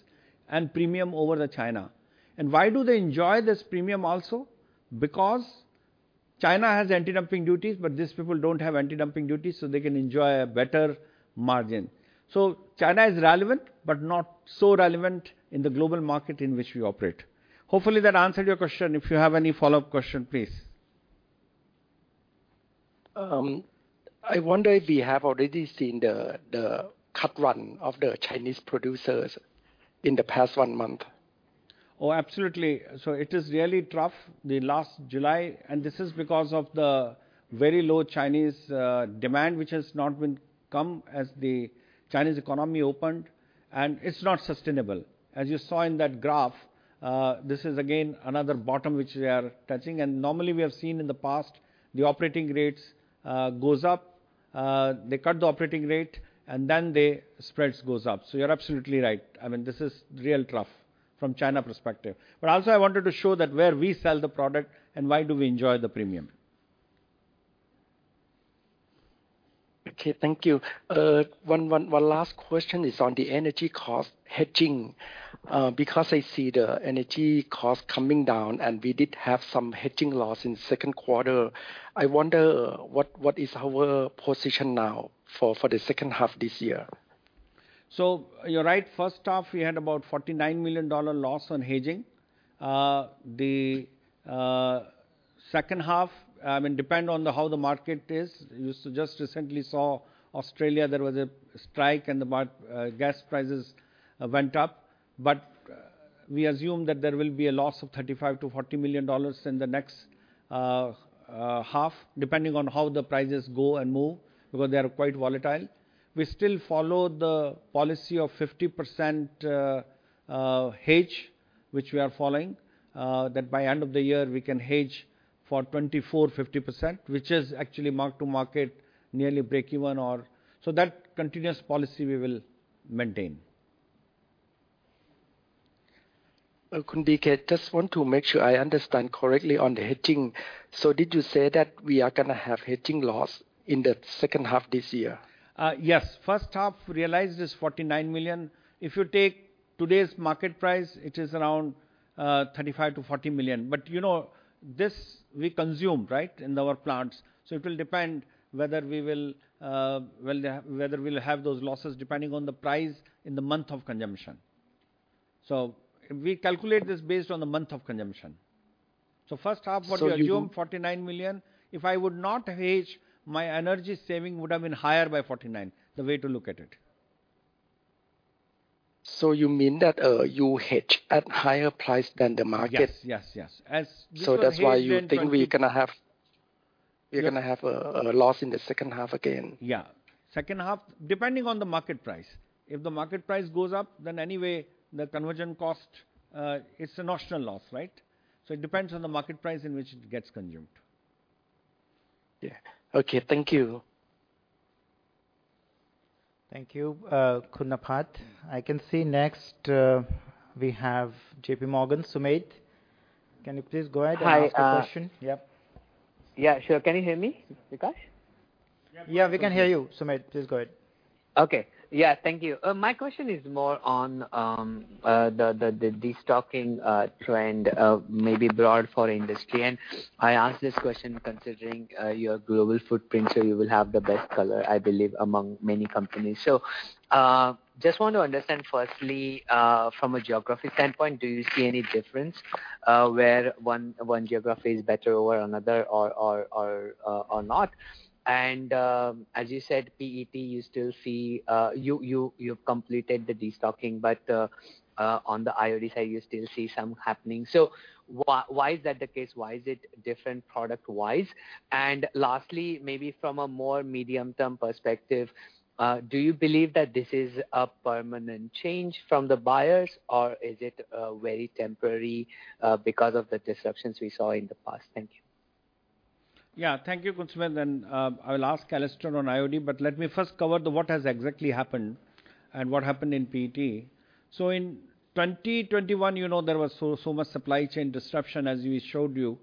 and premium over the China. Why do they enjoy this premium also? Because China has anti-dumping duties, but these people don't have anti-dumping duties, so they can enjoy a better margin. China is relevant, but not so relevant in the global market in which we operate. Hopefully, that answered your question. If you have any follow-up question, please. I wonder if we have already seen the, the cut run of the Chinese producers in the past one month? Oh, absolutely. It is really rough, the last July, and this is because of the very low Chinese demand, which has not been come as the Chinese economy opened, and it's not sustainable. As you saw in that graph, this is again, another bottom which we are touching, and normally we have seen in the past, the operating rates, goes up, they cut the operating rate, and then the spreads goes up. You're absolutely right. I mean, this is real rough from China perspective. Also I wanted to show that where we sell the product and why do we enjoy the premium. Okay, thank you. One last question is on the energy cost hedging. I see the energy cost coming down, and we did have some hedging loss in 2Q, I wonder what, what is our position now for, for the 2H this year? You're right. First half, we had about $49 million loss on hedging. The second half, I mean, depend on the, how the market is. You just recently saw Australia, there was a strike and the gas prices went up. We assume that there will be a loss of $35 million-$40 million in the next, half, depending on how the prices go and move, because they are quite volatile. We still follow the policy of 50% hedge, which we are following, that by end of the year, we can hedge for 2024, 50%, which is actually mark-to-market, nearly breakeven or... That continuous policy we will maintain. Khun D.K., I just want to make sure I understand correctly on the hedging. Did you say that we are gonna have hedging loss in the second half this year? Yes. First half, realized is $49 million. If you take today's market price, it is around $35 million-$40 million. You know, this we consume, right? In our plants. It will depend whether we will, whether we'll have those losses, depending on the price in the month of consumption. We calculate this based on the month of consumption. First half, what we assumed, $49 million. If I would not hedge, my energy saving would have been higher by $49, the way to look at it. You mean that you hedge at higher price than the market? Yes. Yes, yes. That's why you think we're gonna? Yes. we're gonna have a, a loss in the second half again? Yeah. Second half, depending on the market price. If the market price goes up, then anyway, the conversion cost, it's a notional loss, right? It depends on the market price in which it gets consumed. Yeah. Okay, thank you. Thank you, Khun Naphat. I can see next, we have JPMorgan, Sumit. Can you please go ahead and ask a question? Hi. Yep. Yeah, sure. Can you hear me, Vikas? Yeah, we can hear you, Sumit. Please go ahead. Okay. Yeah, thank you. My question is more on the destocking trend, maybe broad for industry. I ask this question considering your global footprint, so you will have the best color, I believe, among many companies. Just want to understand, firstly, from a geography standpoint, do you see any difference where one, one geography is better over another or, or, or, or not? As you said, PET, you still see... You, you, you've completed the destocking, but on the IOD side, you still see some happening. Why, why is that the case? Why is it different product-wise? Lastly, maybe from a more medium-term perspective, do you believe that this is a permanent change from the buyers, or is it very temporary because of the disruptions we saw in the past? Thank you. Yeah. Thank you, Sumit, and I will ask Alastair on IOD, but let me first cover the what has exactly happened and what happened in PET. In 2021, you know, there was so, so much supply chain disruption, as we showed you,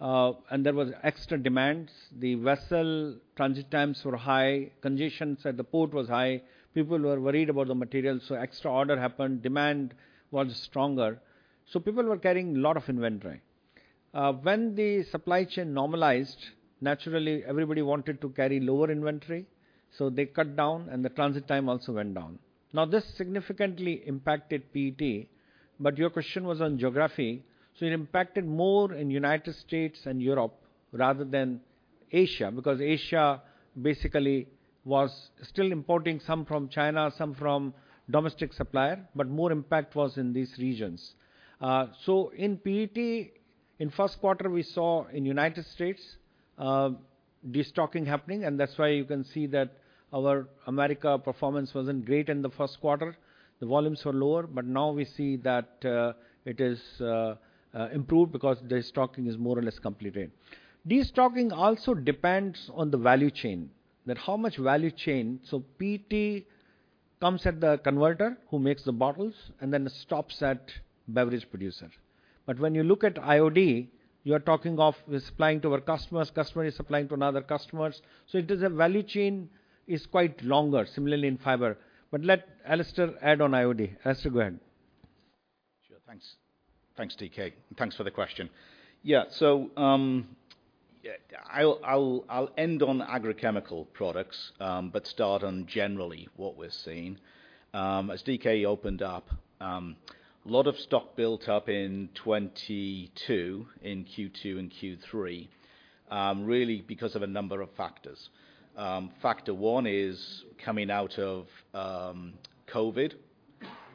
and there was extra demands. The vessel transit times were high, congestions at the port was high. People were worried about the materials, so extra order happened. Demand was stronger. People were carrying a lot of inventory. When the supply chain normalized, naturally, everybody wanted to carry lower inventory, so they cut down, and the transit time also went down. This significantly impacted PET, but your question was on geography, it impacted more in United States and Europe rather than Asia, because Asia basically was still importing some from China, some from domestic supplier, but more impact was in these regions. In PET, in first quarter, we saw in United States destocking happening, and that's why you can see that our America performance wasn't great in the first quarter. The volumes were lower, now we see that it is improved because destocking is more or less completed. Destocking also depends on the value chain, that how much value chain. PET comes at the converter, who makes the bottles, and then stops at beverage producer. When you look at IOD, you are talking of supplying to our customers, customer is supplying to another customers. It is a value chain, is quite longer, similarly in fiber. Let Alastair add on IOD. Alastair, go ahead. Sure. Thanks. Thanks, D.K.. Thanks for the question. Yeah, I'll, I'll, I'll end on agrochemical products, but start on generally what we're seeing. As D.K. opened up, a lot of stock built up in 2022, in Q2 and Q3, really because of a number of factors. Factor 1 is coming out of COVID,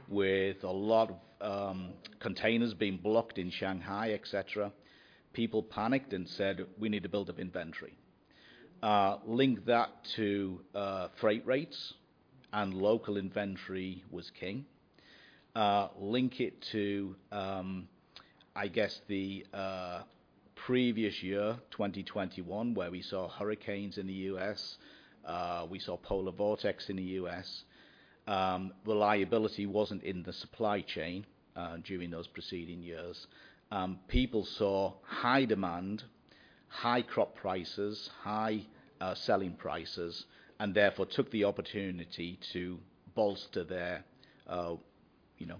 with a lot of containers being blocked in Shanghai, et cetera. People panicked and said, "We need to build up inventory." Link that to freight rates, and local inventory was king. Link it to, I guess, the previous year, 2021, where we saw hurricanes in the U.S., we saw polar vortex in the U.S. Reliability wasn't in the supply chain during those preceding years. People saw high demand, high crop prices, high selling prices, therefore took the opportunity to bolster their, you know,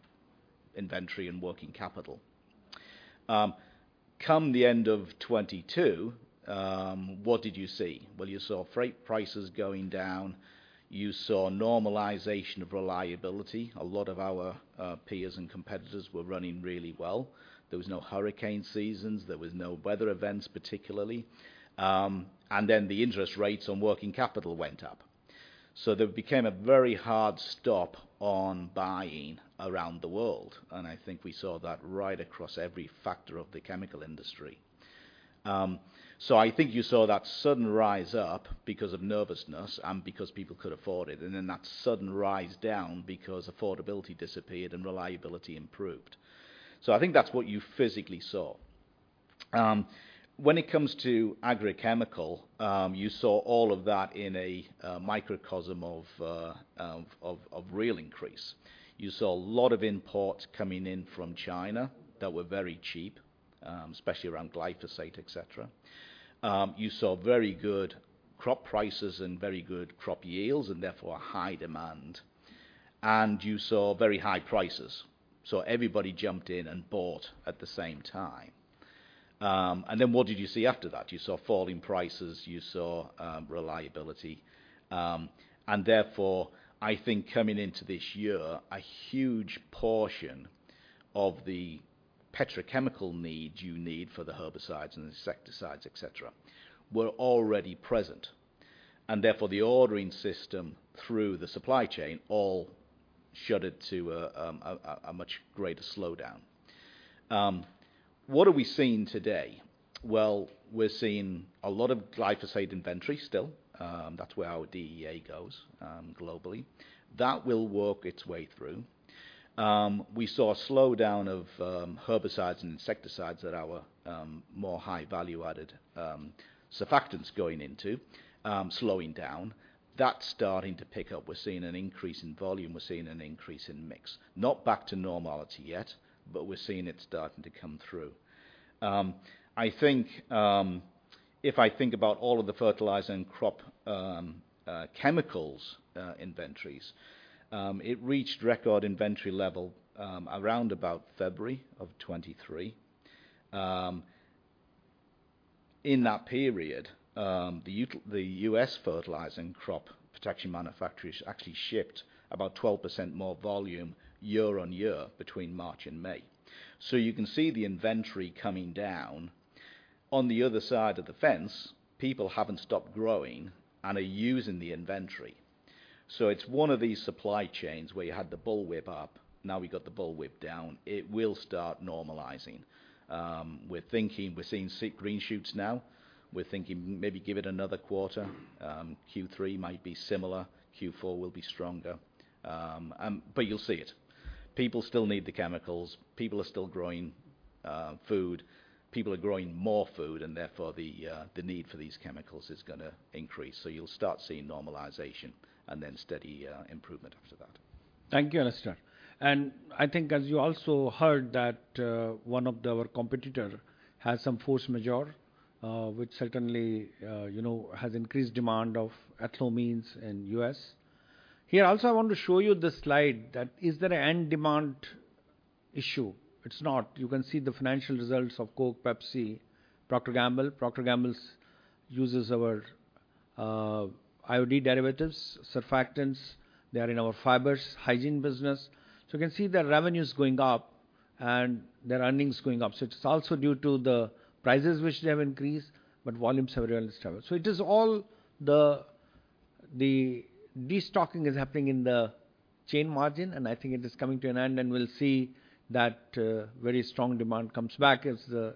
inventory and working capital. Come the end of 2022, what did you see? Well, you saw freight prices going down, you saw normalization of reliability. A lot of our peers and competitors were running really well. There was no hurricane seasons, there was no weather events, particularly. Then the interest rates on working capital went up. There became a very hard stop on buying around the world, and I think we saw that right across every factor of the chemical industry. I think you saw that sudden rise up because of nervousness and because people could afford it, and then that sudden rise down because affordability disappeared and reliability improved. I think that's what you physically saw. When it comes to agrochemical, you saw all of that in a microcosm of real increase. You saw a lot of imports coming in from China that were very cheap, especially around glyphosate, et cetera. You saw very good crop prices and very good crop yields, and therefore, high demand. You saw very high prices, so everybody jumped in and bought at the same time. What did you see after that? You saw falling prices, you saw reliability. Therefore, I think coming into this year, a huge portion of the petrochemical need you need for the herbicides and insecticides, et cetera, were already present. Therefore, the ordering system through the supply chain all shuddered to a much greater slowdown. What are we seeing today? Well, we're seeing a lot of glyphosate inventory still. That's where our DEA goes globally. That will work its way through. We saw a slowdown of herbicides and insecticides that our more high value-added surfactants going into slowing down. That's starting to pick up. We're seeing an increase in volume, we're seeing an increase in mix. Not back to normality yet, but we're seeing it starting to come through. I think if I think about all of the fertilizer and crop chemicals inventories, it reached record inventory level around about February of 2023. In that period, the U.S. fertilizing crop protection manufacturers actually shipped about 12% more volume year on year between March and May. You can see the inventory coming down. On the other side of the fence, people haven't stopped growing and are using the inventory. It's one of these supply chains where you had the bullwhip up, now we got the bullwhip down. It will start normalizing. We're thinking we're seeing green shoots now. We're thinking maybe give it another quarter. Q3 might be similar, Q4 will be stronger. You'll see it. People still need the chemicals. People are still growing, food. People are growing more food, and therefore, the need for these chemicals is gonna increase. You'll start seeing normalization and then steady improvement after that. Thank you, Alastair. I think as you also heard, that one of our competitor has some force majeure, which certainly, you know, has increased demand of Ethylamines in U.S.. Here, also, I want to show you this slide, that is there an end demand issue? It's not. You can see the financial results of Coke, Pepsi, Procter & Gamble. Procter & Gamble uses our IOD derivatives, surfactants, they are in our Fibers Hygiene business. You can see their revenue is going up and their earnings going up. It's also due to the prices which they have increased, but volumes have really struggled. It is all the, the destocking is happening in the chain margin, and I think it is coming to an end, and we'll see that very strong demand comes back as the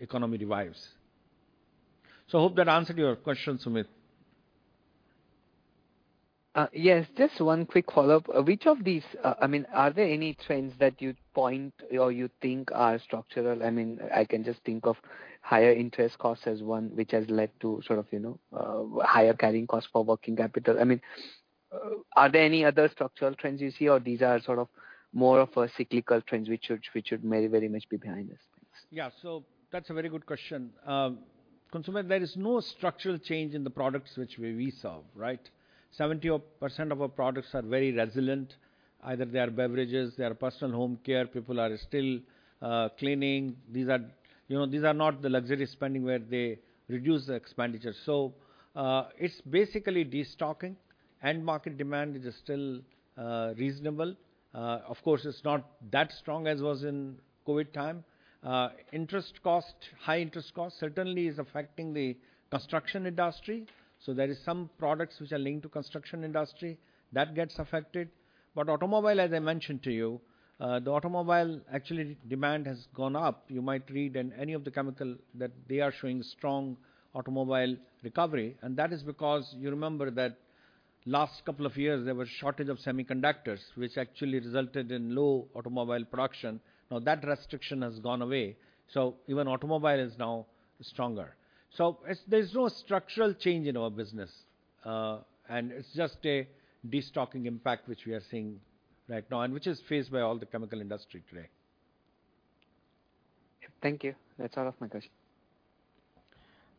economy revives. I hope that answered your question, Sumit. Yes, just one quick follow-up. Which of these... I mean, are there any trends that you'd point or you think are structural? I mean, I can just think of higher interest costs as one, which has led to sort of, you know, higher carrying costs for working capital. I mean, are there any other structural trends you see, or these are sort of more of a cyclical trends which should, which should very, very much be behind us? Yeah, that's a very good question. consumer, there is no structural change in the products which we, we serve, right? 70% of our products are very resilient. Either they are beverages, they are personal home care, people are still cleaning. These are, you know, these are not the luxury spending where they reduce the expenditure. It's basically destocking. End market demand is still reasonable. Of course, it's not that strong as was in COVID time. Interest cost, high interest cost, certainly is affecting the construction industry, so there is some products which are linked to construction industry, that gets affected. Automobile, as I mentioned to you, the automobile, actually, demand has gone up. You might read in any of the chemical, that they are showing strong automobile recovery. That is because you remember that last couple of years, there was shortage of semiconductors, which actually resulted in low automobile production. That restriction has gone away, so even automobile is now stronger. It's there's no structural change in our business, and it's just a destocking impact which we are seeing right now, and which is faced by all the chemical industry today. Thank you. That's all of my questions.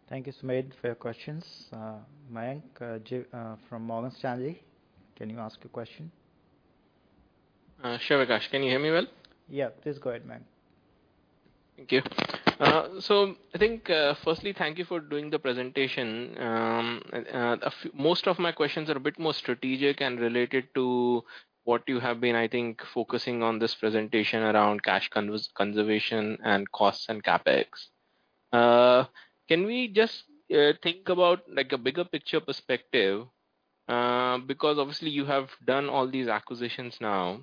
Thank you, Sumit, for your questions. Mayank, from Morgan Stanley, can you ask a question? Sure, Vikas. Can you hear me well? Yeah, please go ahead, Mayank. Thank you. I think, firstly, thank you for doing the presentation. Most of my questions are a bit more strategic and related to what you have been, I think, focusing on this presentation around cash conservation and costs and CapEx. Can we just think about, like, a bigger picture perspective? Obviously you have done all these acquisitions now.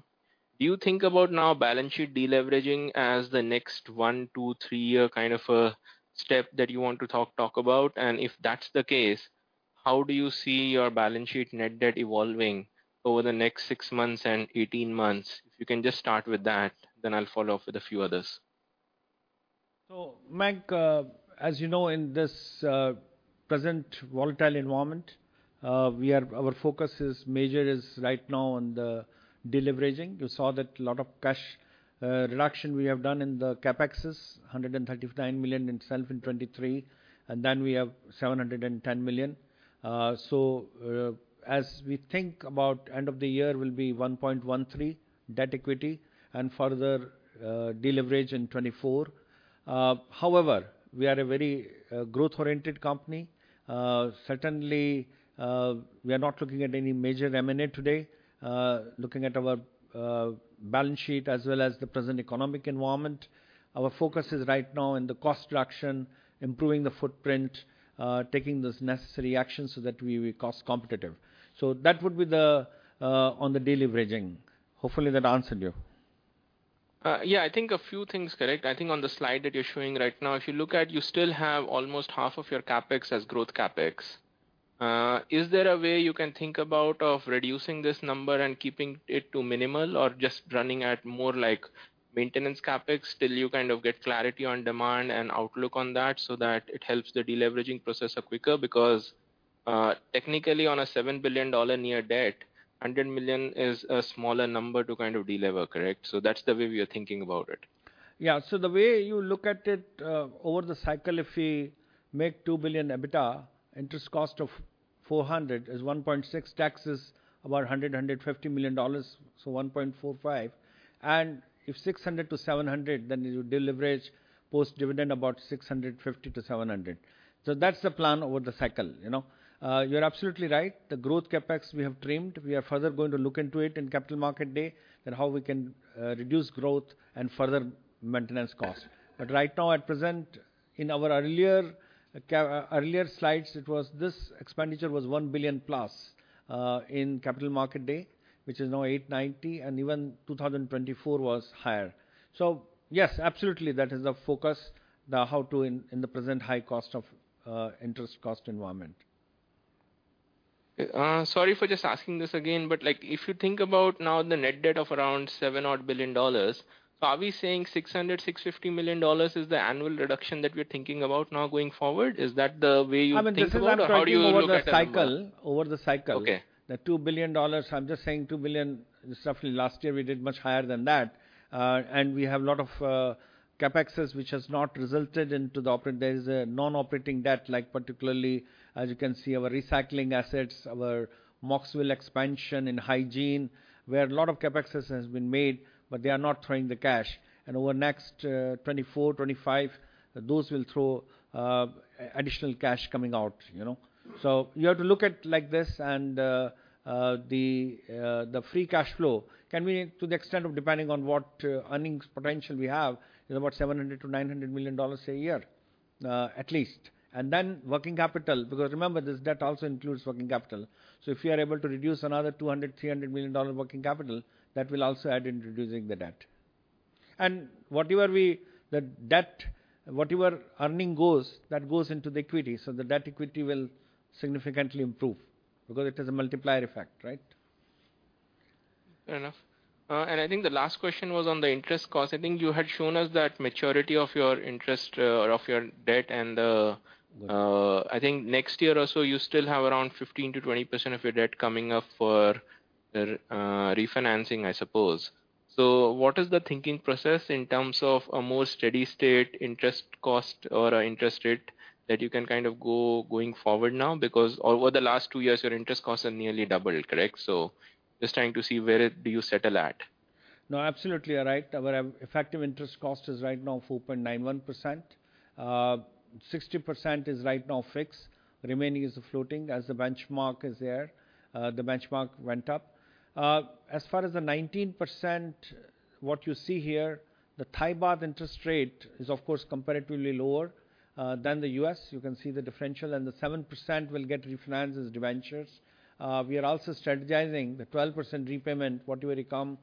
Do you think about now balance sheet deleveraging as the next one, two, three-year kind of step that you want to talk about? If that's the case, how do you see your balance sheet net debt evolving over the next six months and 18 months? If you can just start with that, I'll follow up with a few others. Mayank, as you know, in this present volatile environment, our focus is major is right now on the deleveraging. You saw that a lot of cash reduction we have done in the CapEx is $139 million in itself in 2023, and then we have $710 million. As we think about end of the year will be 1.13 debt equity and further deleverage in 2024. However, we are a very growth-oriented company. Certainly, we are not looking at any major M&A today. Looking at our balance sheet as well as the present economic environment, our focus is right now in the cost reduction, improving the footprint, taking the necessary actions so that we be cost competitive. That would be the on the deleveraging. Hopefully, that answered you. Yeah, I think a few things, correct. I think on the slide that you're showing right now, if you look at, you still have almost half of your CapEx as growth CapEx. Is there a way you can think about of reducing this number and keeping it to minimal, or just running at more like maintenance CapEx till you kind of get clarity on demand and outlook on that, so that it helps the deleveraging process quicker? Because, technically, on a $7 billion near debt, $100 million is a smaller number to kind of delever, correct? That's the way we are thinking about it. Yeah. The way you look at it, over the cycle, if we make $2 billion EBITDA, interest cost of $400 million is $1.6 billion, taxes about $100 million-$150 million, so $1.45 billion. If $600 million-$700 million, then you deleverage post-dividend about $650 million-$700 million. That's the plan over the cycle, you know? You're absolutely right. The growth CapEx, we have trimmed. We are further going to look into it in Capital Markets Day on how we can reduce growth and further maintenance costs. Right now, at present, in our earlier slides, it was this expenditure was $1 billion+, in Capital Markets Day, which is now $890 million, and even 2024 was higher. Yes, absolutely, that is the focus, the how to in, in the present high cost of, interest cost environment. Sorry for just asking this again, but, like, if you think about now the net debt of around $7 odd billion, so are we saying $600 million-$650 million is the annual reduction that we're thinking about now going forward? Is that the way you think about it, or how do you look at it now? I mean, this is over the cycle. Over the cycle. Okay. The $2 billion, I'm just saying $2 billion, certainly last year, we did much higher than that. We have a lot of CapExes, which has not resulted into the operating... There is a non-operating debt, like, particularly as you can see, our recycling assets, our Mocksville expansion in Hygiene, where a lot of CapExes has been made, but they are not throwing the cash. Over next, 2024, 2025, those will throw additional cash coming out, you know? You have to look at like this, and the free cash flow. Can we, to the extent of depending on what earnings potential we have, is about $700 million-$900 million a year, at least. Then working capital, because remember, this debt also includes working capital. If you are able to reduce another $200 million-$300 million working capital, that will also add into reducing the debt. Whatever the debt, whatever earning goes, that goes into the equity. The debt equity will significantly improve because it is a multiplier effect, right? Fair enough. I think the last question was on the interest cost. I think you had shown us that maturity of your interest or of your debt, I think next year or so, you still have around 15%-20% of your debt coming up for refinancing, I suppose. What is the thinking process in terms of a more steady state interest cost or interest rate that you can kind of go going forward now? Because over the last 2 years, your interest costs are nearly double, correct? Just trying to see where do you settle at. No, absolutely, you're right. Our effective interest cost is right now 4.91%. 60% is right now fixed, remaining is floating as the benchmark is there. The benchmark went up. As far as the 19%, what you see here, the Thai Baht interest rate is of course, comparatively lower than the US. You can see the differential, the 7% will get refinanced as debentures. We are also strategizing the 12% repayment, whatever it come,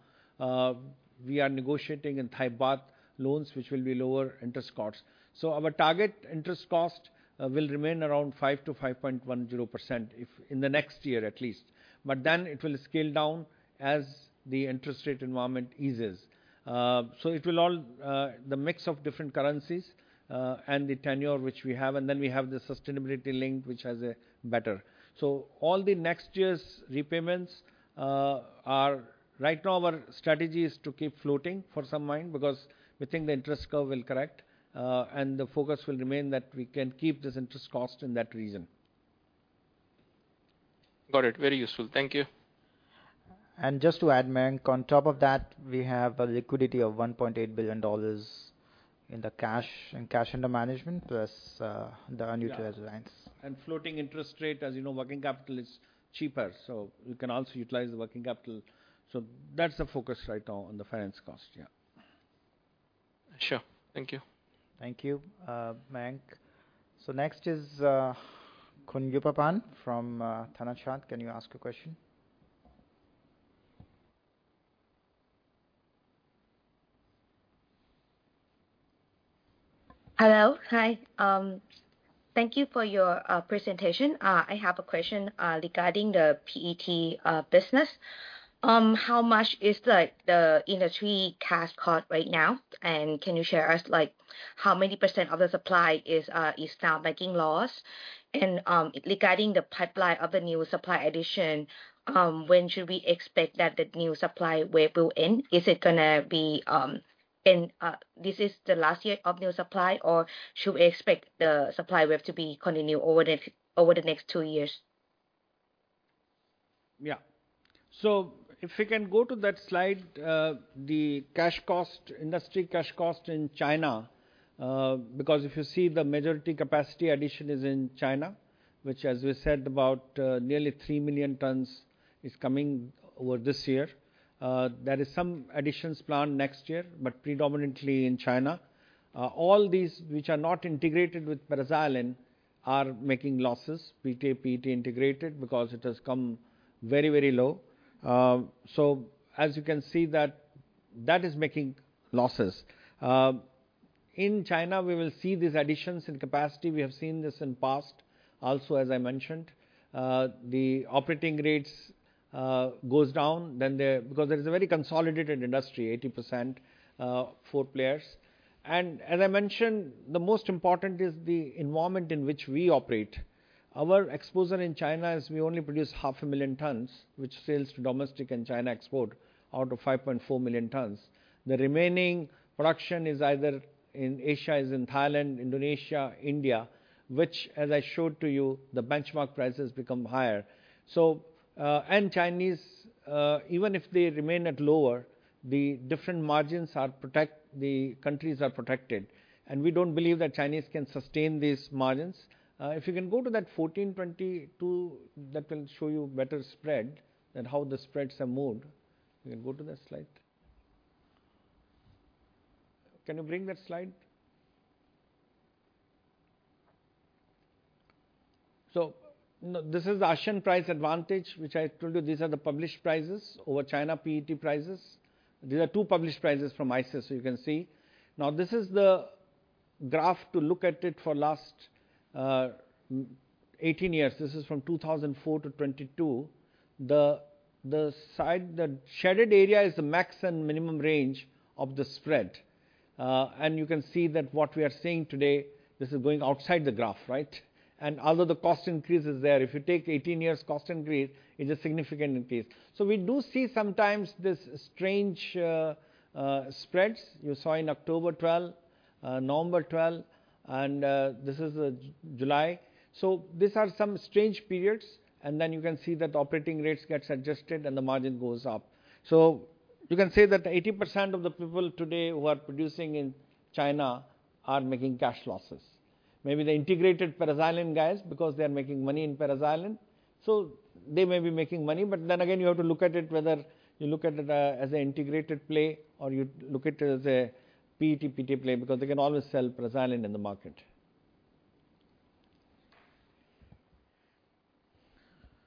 we are negotiating in Thai Baht loans, which will be lower interest costs. Our target interest cost will remain around 5%-5.10%, in the next year at least. Then it will scale down as the interest rate environment eases. It will all, the mix of different currencies, and the tenure which we have, and then we have the sustainability link, which has a better. All the next year's repayments, are. Right now, our strategy is to keep floating for some time because we think the interest curve will correct, and the focus will remain that we can keep this interest cost in that region. Got it. Very useful. Thank you. Just to add, Mayank, on top of that, we have a liquidity of $1.8 billion in the cash, in cash under management, plus, the unutilized banks. Yeah, floating interest rate, as you know, working capital is cheaper, so we can also utilize the working capital. That's the focus right now on the finance cost. Yeah. Sure. Thank you. Thank you, Mayank. Next is Khun Yupapan from Thanachart. Can you ask a question? Hello. Hi. Thank you for your presentation. I have a question regarding the PET business. How much is the industry cash cost right now? Can you share us, how many % of the supply is now making loss? Regarding the pipeline of the new supply addition, when should we expect that the new supply wave will end? Is this the last year of new supply, or should we expect the supply wave to be continue over the next 2 years? Yeah. If we can go to that slide, the cash cost, industry cash cost in China, because if you see the majority capacity addition is in China, which as we said, about, nearly 3 million tons is coming over this year. There is some additions planned next year, but predominantly in China. All these, which are not integrated with paraxylene, are making losses, PTA-PET integrated, because it has come very, very low. As you can see, that, that is making losses. In China, we will see these additions in capacity. We have seen this in past. Also, as I mentioned, the operating rates goes down, because there is a very consolidated industry, 80%, four players. As I mentioned, the most important is the environment in which we operate. Our exposure in China is we only produce 500,000 tons, which sells to domestic and China export, out of 5.4 million tons. The remaining production is either in Asia, is in Thailand, Indonesia, India, which, as I showed to you, the benchmark prices become higher. Chinese, even if they remain at lower, the different margins are protect-- the countries are protected, and we don't believe that Chinese can sustain these margins. If you can go to that 1422, that will show you better spread and how the spreads have moved. You can go to that slide. Can you bring that slide? This is the ASEAN price advantage, which I told you, these are the published prices over China PET prices. These are two published prices from ICIS, so you can see. Now, this is the graph to look at it for last 18 years. This is from 2004 to 2022. The, the side, the shaded area is the max and minimum range of the spread. You can see that what we are seeing today, this is going outside the graph, right? Although the cost increase is there, if you take 18 years cost increase, it's a significant increase. We do see sometimes these strange spreads. You saw in October 12, November 12, and this is July. These are some strange periods. Then you can see that operating rates gets adjusted, and the margin goes up. You can say that 80% of the people today who are producing in China are making cash losses. Maybe the integrated paraxylene guys, because they are making money in paraxylene, so they may be making money. Then again, you have to look at it, whether you look at it as an integrated play or you look at it as a PET, PTA play, because they can always sell paraxylene in the market.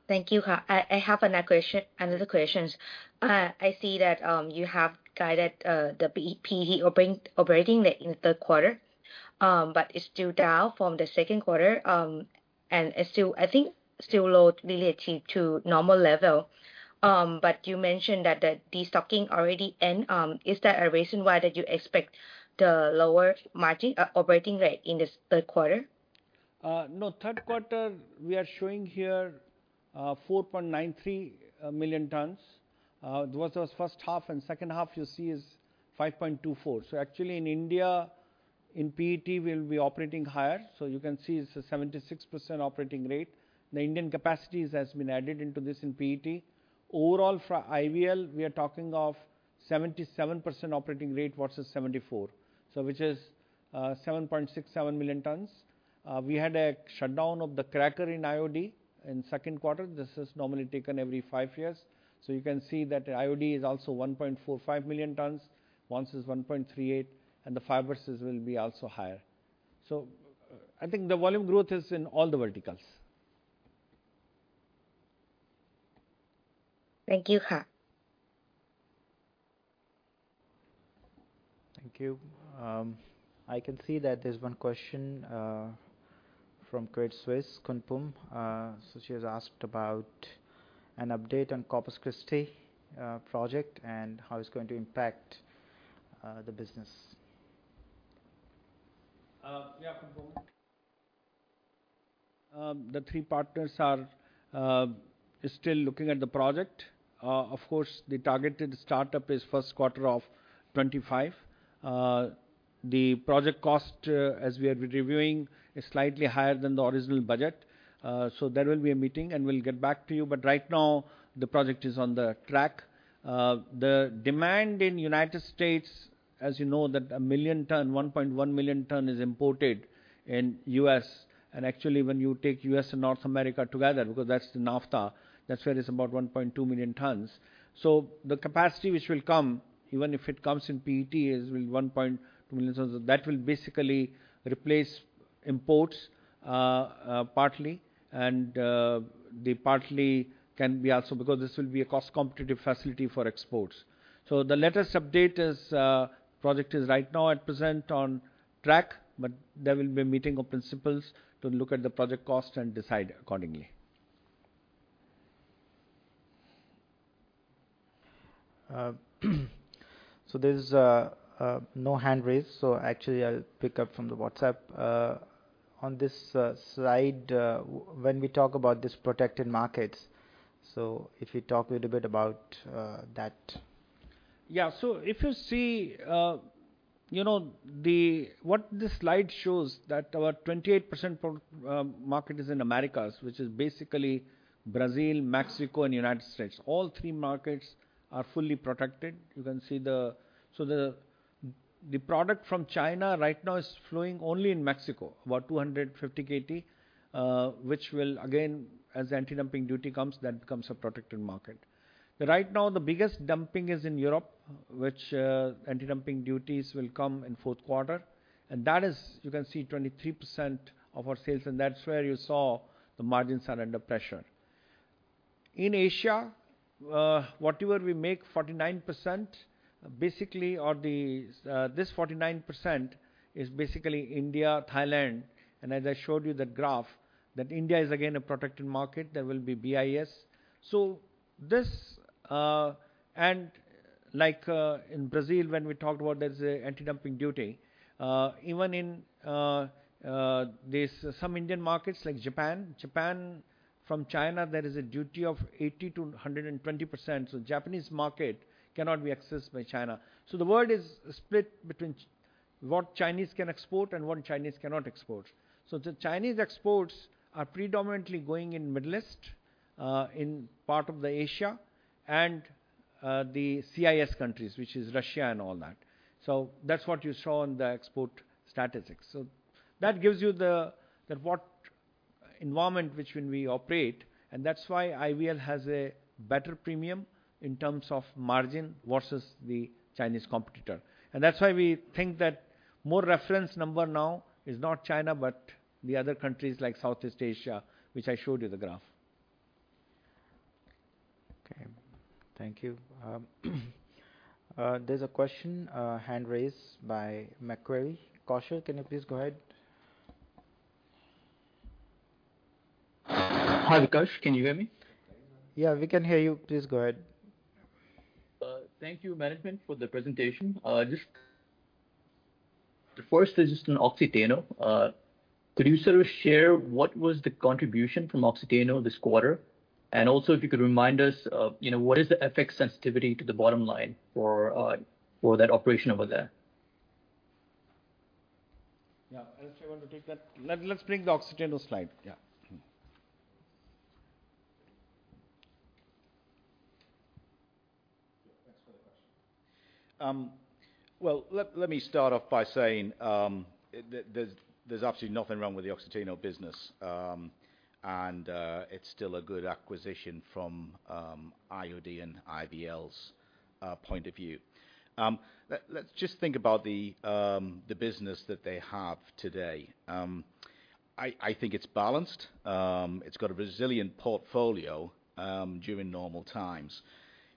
Thank you. I, I have another question, another questions. I see that you have guided the PET operating, operating in the third quarter, but it's still down from the second quarter, and it's still, I think, still low related to normal level. You mentioned that the destocking already end. Is there a reason why that you expect the lower margin operating rate in this third quarter? No. Third quarter, we are showing here 4.93 million tons. Towards those first half and second half, you'll see is 5.24. Actually, in India, in PET, we'll be operating higher. You can see it's a 76% operating rate. The Indian capacities has been added into this in PET. Overall, for IVL, we are talking of 77% operating rate versus 74. Which is 7.67 million tons. We had a shutdown of the cracker in IOD in second quarter. This is normally taken every 5 years. You can see that IOD is also 1.45 million tons, once is 1.38, and the fibers will be also higher. I think the volume growth is in all the verticals. Thank you, Ka. Thank you. I can see that there's one question from Credit Suisse, Khun Boom. She has asked about an update on Corpus Christi project and how it's going to impact the business. Khun Boom. The three partners are still looking at the project. The project cost, as we have been reviewing, is slightly higher than the original budget. There will be a meeting, and we'll get back to you, but right now, the project is on the track. The demand in United States, as you know, that a 1 million tons, 1.1 million tons is imported in U.S.. When you take U.S. and North America together, because that's the NAFTA, that's where it's about 1.2 million tons. The capacity which will come, even if it comes in PET, is 1.2 million tons. That will basically replace imports, partly, and, the partly can be also because this will be a cost competitive facility for exports. The latest update is, project is right now at present on track, but there will be a meeting of principals to look at the project cost and decide accordingly. There's no hand raised, so actually, I'll pick up from the WhatsApp. On this slide, when we talk about this protected markets, so if you talk a little bit about that. Yeah. If you see, you know, the... What this slide shows that about 28% for market is in Americas, which is basically Brazil, Mexico, and United States. All three markets are fully protected. You can see the-- The product from China right now is flowing only in Mexico, about 250 KT, which will, again, as anti-dumping duty comes, that becomes a protected market. Right now, the biggest dumping is in Europe, which anti-dumping duties will come in fourth quarter. That is, you can see, 23% of our sales, and that's where you saw the margins are under pressure. In Asia, whatever we make 49%, basically, or the, this 49% is basically India, Thailand. As I showed you the graph, that India is again a protected market, there will be BIS. This, and like, in Brazil, when we talked about there's an anti-dumping duty, even in this some Indian markets like Japan. Japan from China, there is a duty of 80%-120%. Japanese market cannot be accessed by China. The world is split between what Chinese can export and what Chinese cannot export. The Chinese exports are predominantly going in Middle East, in part of the Asia and the CIS countries, which is Russia and all that. That's what you saw on the export statistics. That gives you the, that what environment which when we operate, and that's why IVL has a better premium in terms of margin versus the Chinese competitor. That's why we think that more reference number now is not China, but the other countries like Southeast Asia, which I showed you the graph. Okay, thank you. There's a question, hand raise by Macquarie. Kaushal, can you please go ahead? Hi, Vikas, can you hear me? Yeah, we can hear you. Please go ahead. Thank you, management, for the presentation. First, is just on Oxiteno. Could you sort of share what was the contribution from Oxiteno this quarter? Also, if you could remind us of, you know, what is the FX sensitivity to the bottom line for that operation over there? Yeah, Andrew, you want to take that? Let's bring the Oxiteno slide. Yeah. Thanks for the question. Well, let, let me start off by saying that there's, there's absolutely nothing wrong with the Oxiteno business, and it's still a good acquisition from IOD and IVL's point of view. Let, let's just think about the business that they have today. I, I think it's balanced. It's got a resilient portfolio during normal times.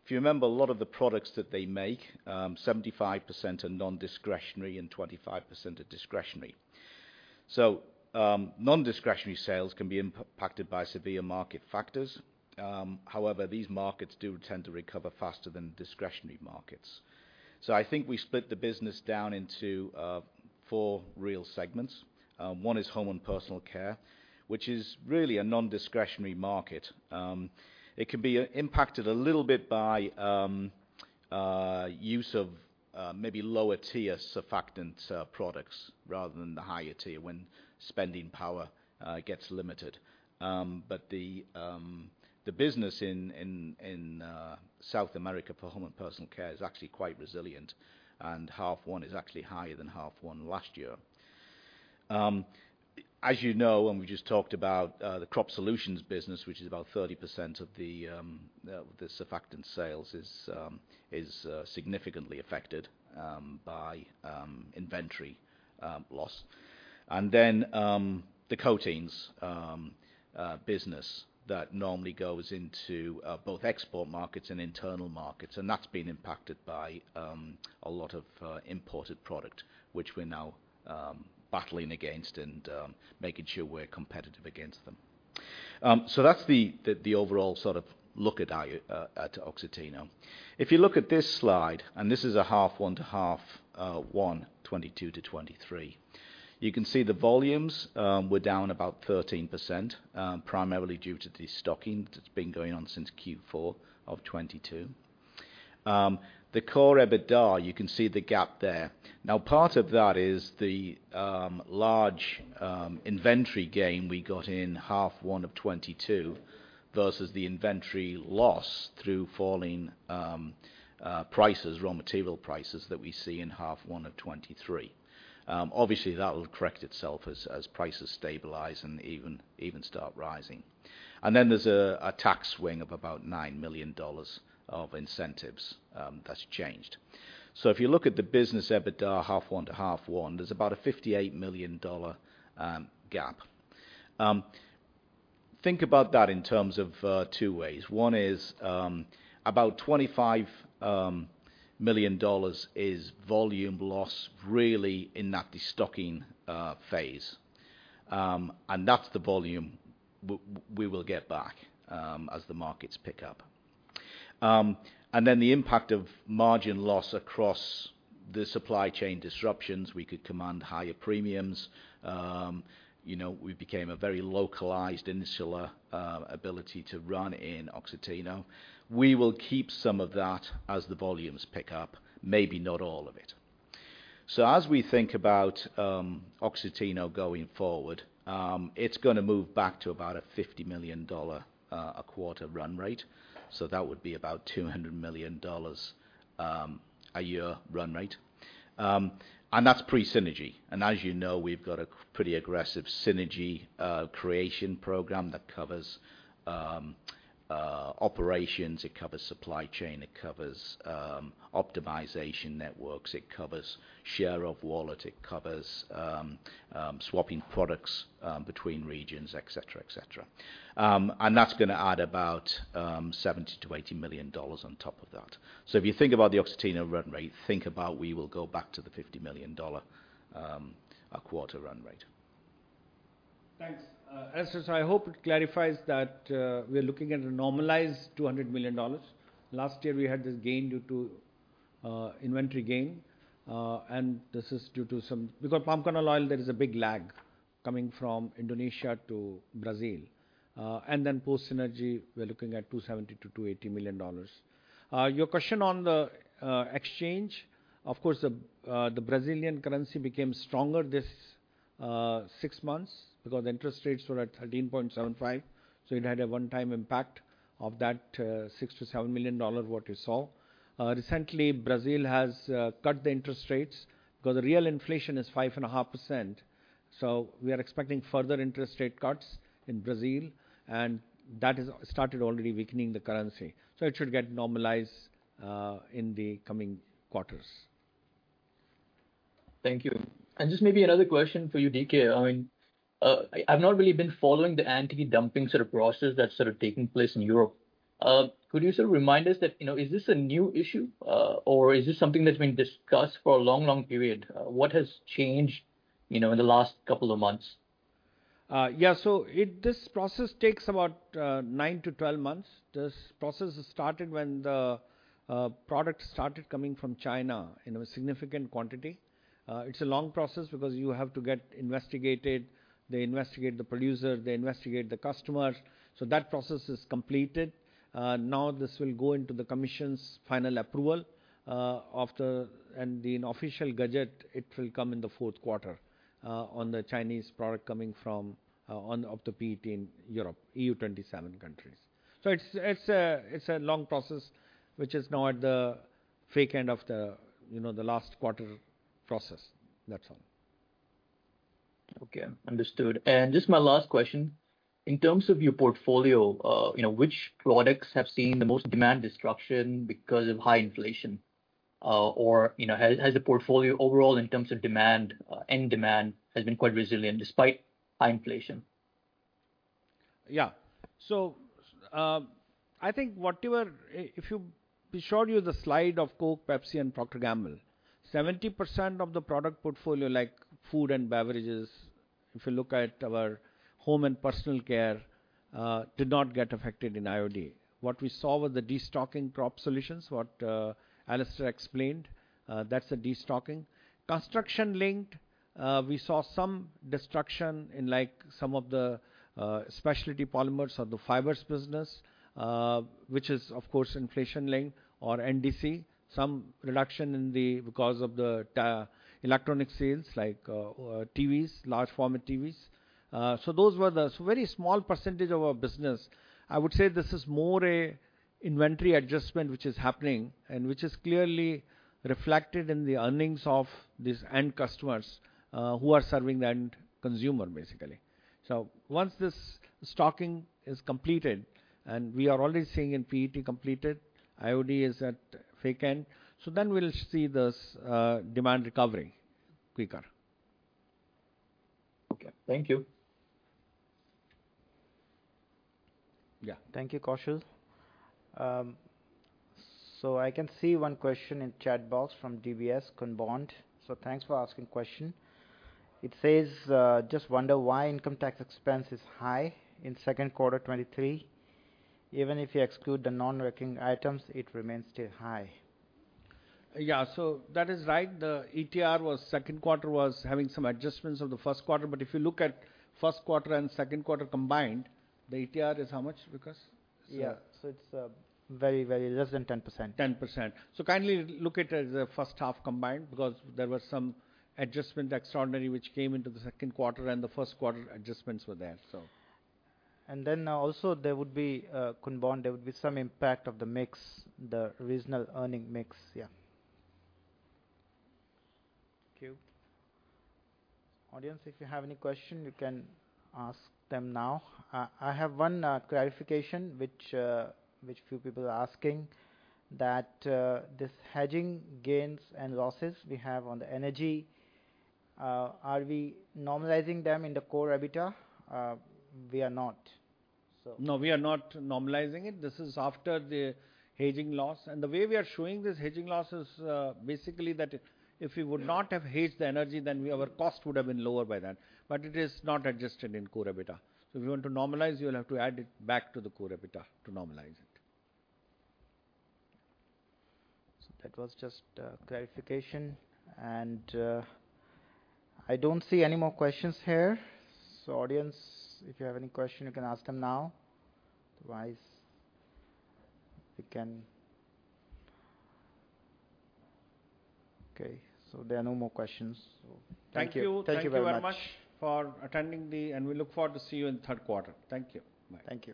If you remember, a lot of the products that they make, 75% are nondiscretionary and 25% are discretionary. Nondiscretionary sales can be impacted by severe market factors. However, these markets do tend to recover faster than discretionary markets. I think we split the business down into four real segments. One is home and personal care, which is really a nondiscretionary market. It can be impacted a little bit by use of maybe lower-tier surfactant products rather than the higher tier when spending power gets limited. The business in South America for home and personal care is actually quite resilient, and half one is actually higher than half one last year. As you know, and we just talked about, the crop solutions business, which is about 30% of the surfactant sales, is significantly affected by inventory loss. Then, the coatings business that normally goes into both export markets and internal markets, and that's been impacted by a lot of imported product, which we're now battling against and making sure we're competitive against them. That's the overall look at Oxiteno. If you look at this slide, and this is a half 1 to half 1, 2022 to 2023. You can see the volumes were down about 13%, primarily due to destocking that's been going on since Q4 of 2022. The core EBITDA, you can see the gap there. Now, part of that is the large inventory gain we got in half 1 of 2022, versus the inventory loss through falling prices, raw material prices, that we see in half 1 of 2023. Obviously, that will correct itself as prices stabilize and even start rising. Then there's a tax swing of about $9 million of incentives that's changed. If you look at the business EBITDA, half one to half one, there's about a $58 million gap. Think about that in terms of two ways. One is, about $25 million is volume loss, really in that destocking phase. That's the volume we will get back as the markets pick up. Then the impact of margin loss across the supply chain disruptions, we could command higher premiums. You know, we became a very localized, insular ability to run in Oxiteno. We will keep some of that as the volumes pick up, maybe not all of it. As we think about Oxiteno going forward, it's gonna move back to about a $50 million a quarter run rate, so that would be about $200 million a year run rate. That's pre-synergy. As you know, we've got a pretty aggressive synergy creation program that covers operations, it covers supply chain, it covers optimization networks, it covers share of wallet, it covers swapping products between regions, et cetera, et cetera. That's gonna add about $70 million-$80 million on top of that. If you think about the Oxiteno run rate, think about we will go back to the $50 million a quarter run rate. Thanks, Alastair. I hope it clarifies that we are looking at a normalized $200 million. Last year, we had this gain due to inventory gain, and this is due to some... Because palm kernel oil, there is a big lag coming from Indonesia to Brazil. Then post synergy, we're looking at $270 million-$280 million. Your question on the exchange, of course, the Brazilian currency became stronger this six months because the interest rates were at 13.75, so it had a one-time impact of that $6 million-$7 million, what you saw. Recently, Brazil has cut the interest rates because the real inflation is 5.5%. We are expecting further interest rate cuts in Brazil, and that has started already weakening the currency. It should get normalized in the coming quarters. Thank you. Just maybe another question for you, D.K.. I mean, I've not really been following the anti-dumping sort of process that's sort of taking place in Europe. Could you sort of remind us that, you know, is this a new issue, or is this something that's been discussed for a long, long period? What has changed, you know, in the last couple of months? Yeah. This process takes about 9-12 months. This process started when the products started coming from China in a significant quantity. It's a long process because you have to get investigated. They investigate the producer, they investigate the customer. So that process is completed. Now, this will go into the commission's final approval, after and the official gazette, it will come in the fourth quarter, on the Chinese product coming from of the PET in Europe, EU 27 countries. So it's, it's a, it's a long process, which is now at the far end of the, you know, the last quarter process. That's all. Okay, understood. Just my last question: in terms of your portfolio, you know, which products have seen the most demand destruction because of high inflation? Or, you know, has the portfolio overall, in terms of demand, end demand, has been quite resilient despite high inflation? Yeah. I think if you, we showed you the slide of Coke, Pepsi and Procter & Gamble. 70% of the product portfolio, like food and beverages, if you look at our Home and Personal Care, did not get affected in IOD. What we saw was the destocking crop solutions, what Alastair explained, that's the destocking. Construction linked, we saw some destruction in, like, some of the specialty polymers or the Fibers business, which is, of course, inflation-linked or NDC. Some reduction in the because of the electronic sales, like TVs, large format TVs. Those were the very small percentage of our business. I would say this is more a inventory adjustment which is happening and which is clearly reflected in the earnings of these end customers who are serving the end consumer, basically. Once this stocking is completed, and we are already seeing in PET completed, IOD is at far end, so then we'll see this demand recovering quicker. Okay. Thank you. Yeah. Thank you, Kaushal. I can see one question in chat box from DBS, Khun Bond. Thanks for asking question. It says, "Just wonder why income tax expense is high in second quarter 2023. Even if you exclude the non-recurring items, it remains still high. Yeah. That is right. The ETR was second quarter was having some adjustments of the first quarter, but if you look at first quarter and second quarter combined, the ETR is how much, Vikas? Yeah. It's very, very less than 10%. 10%. Kindly look it as a first half combined, because there was some adjustment extraordinary, which came into the second quarter, and the first quarter adjustments were there. Now also there would be, Khun Bond, there would be some impact of the mix, the regional earning mix. Yeah. Thank you. Audience, if you have any question, you can ask them now. I have one clarification, which, which few people are asking, that, this hedging gains and losses we have on the energy, are we normalizing them in the core EBITDA? We are not. No, we are not normalizing it. This is after the hedging loss. The way we are showing this hedging loss is basically that if, if we would not have hedged the energy, then our cost would have been lower by that, but it is not adjusted in core EBITDA. If you want to normalize, you will have to add it back to the core EBITDA to normalize it. That was just clarification. I don't see any more questions here. Audience, if you have any question, you can ask them now. Otherwise, we can... Okay, there are no more questions. Thank you. Thank you very much. Thank you very much. For attending the. We look forward to see you in the third quarter. Thank you. Bye. Thank you.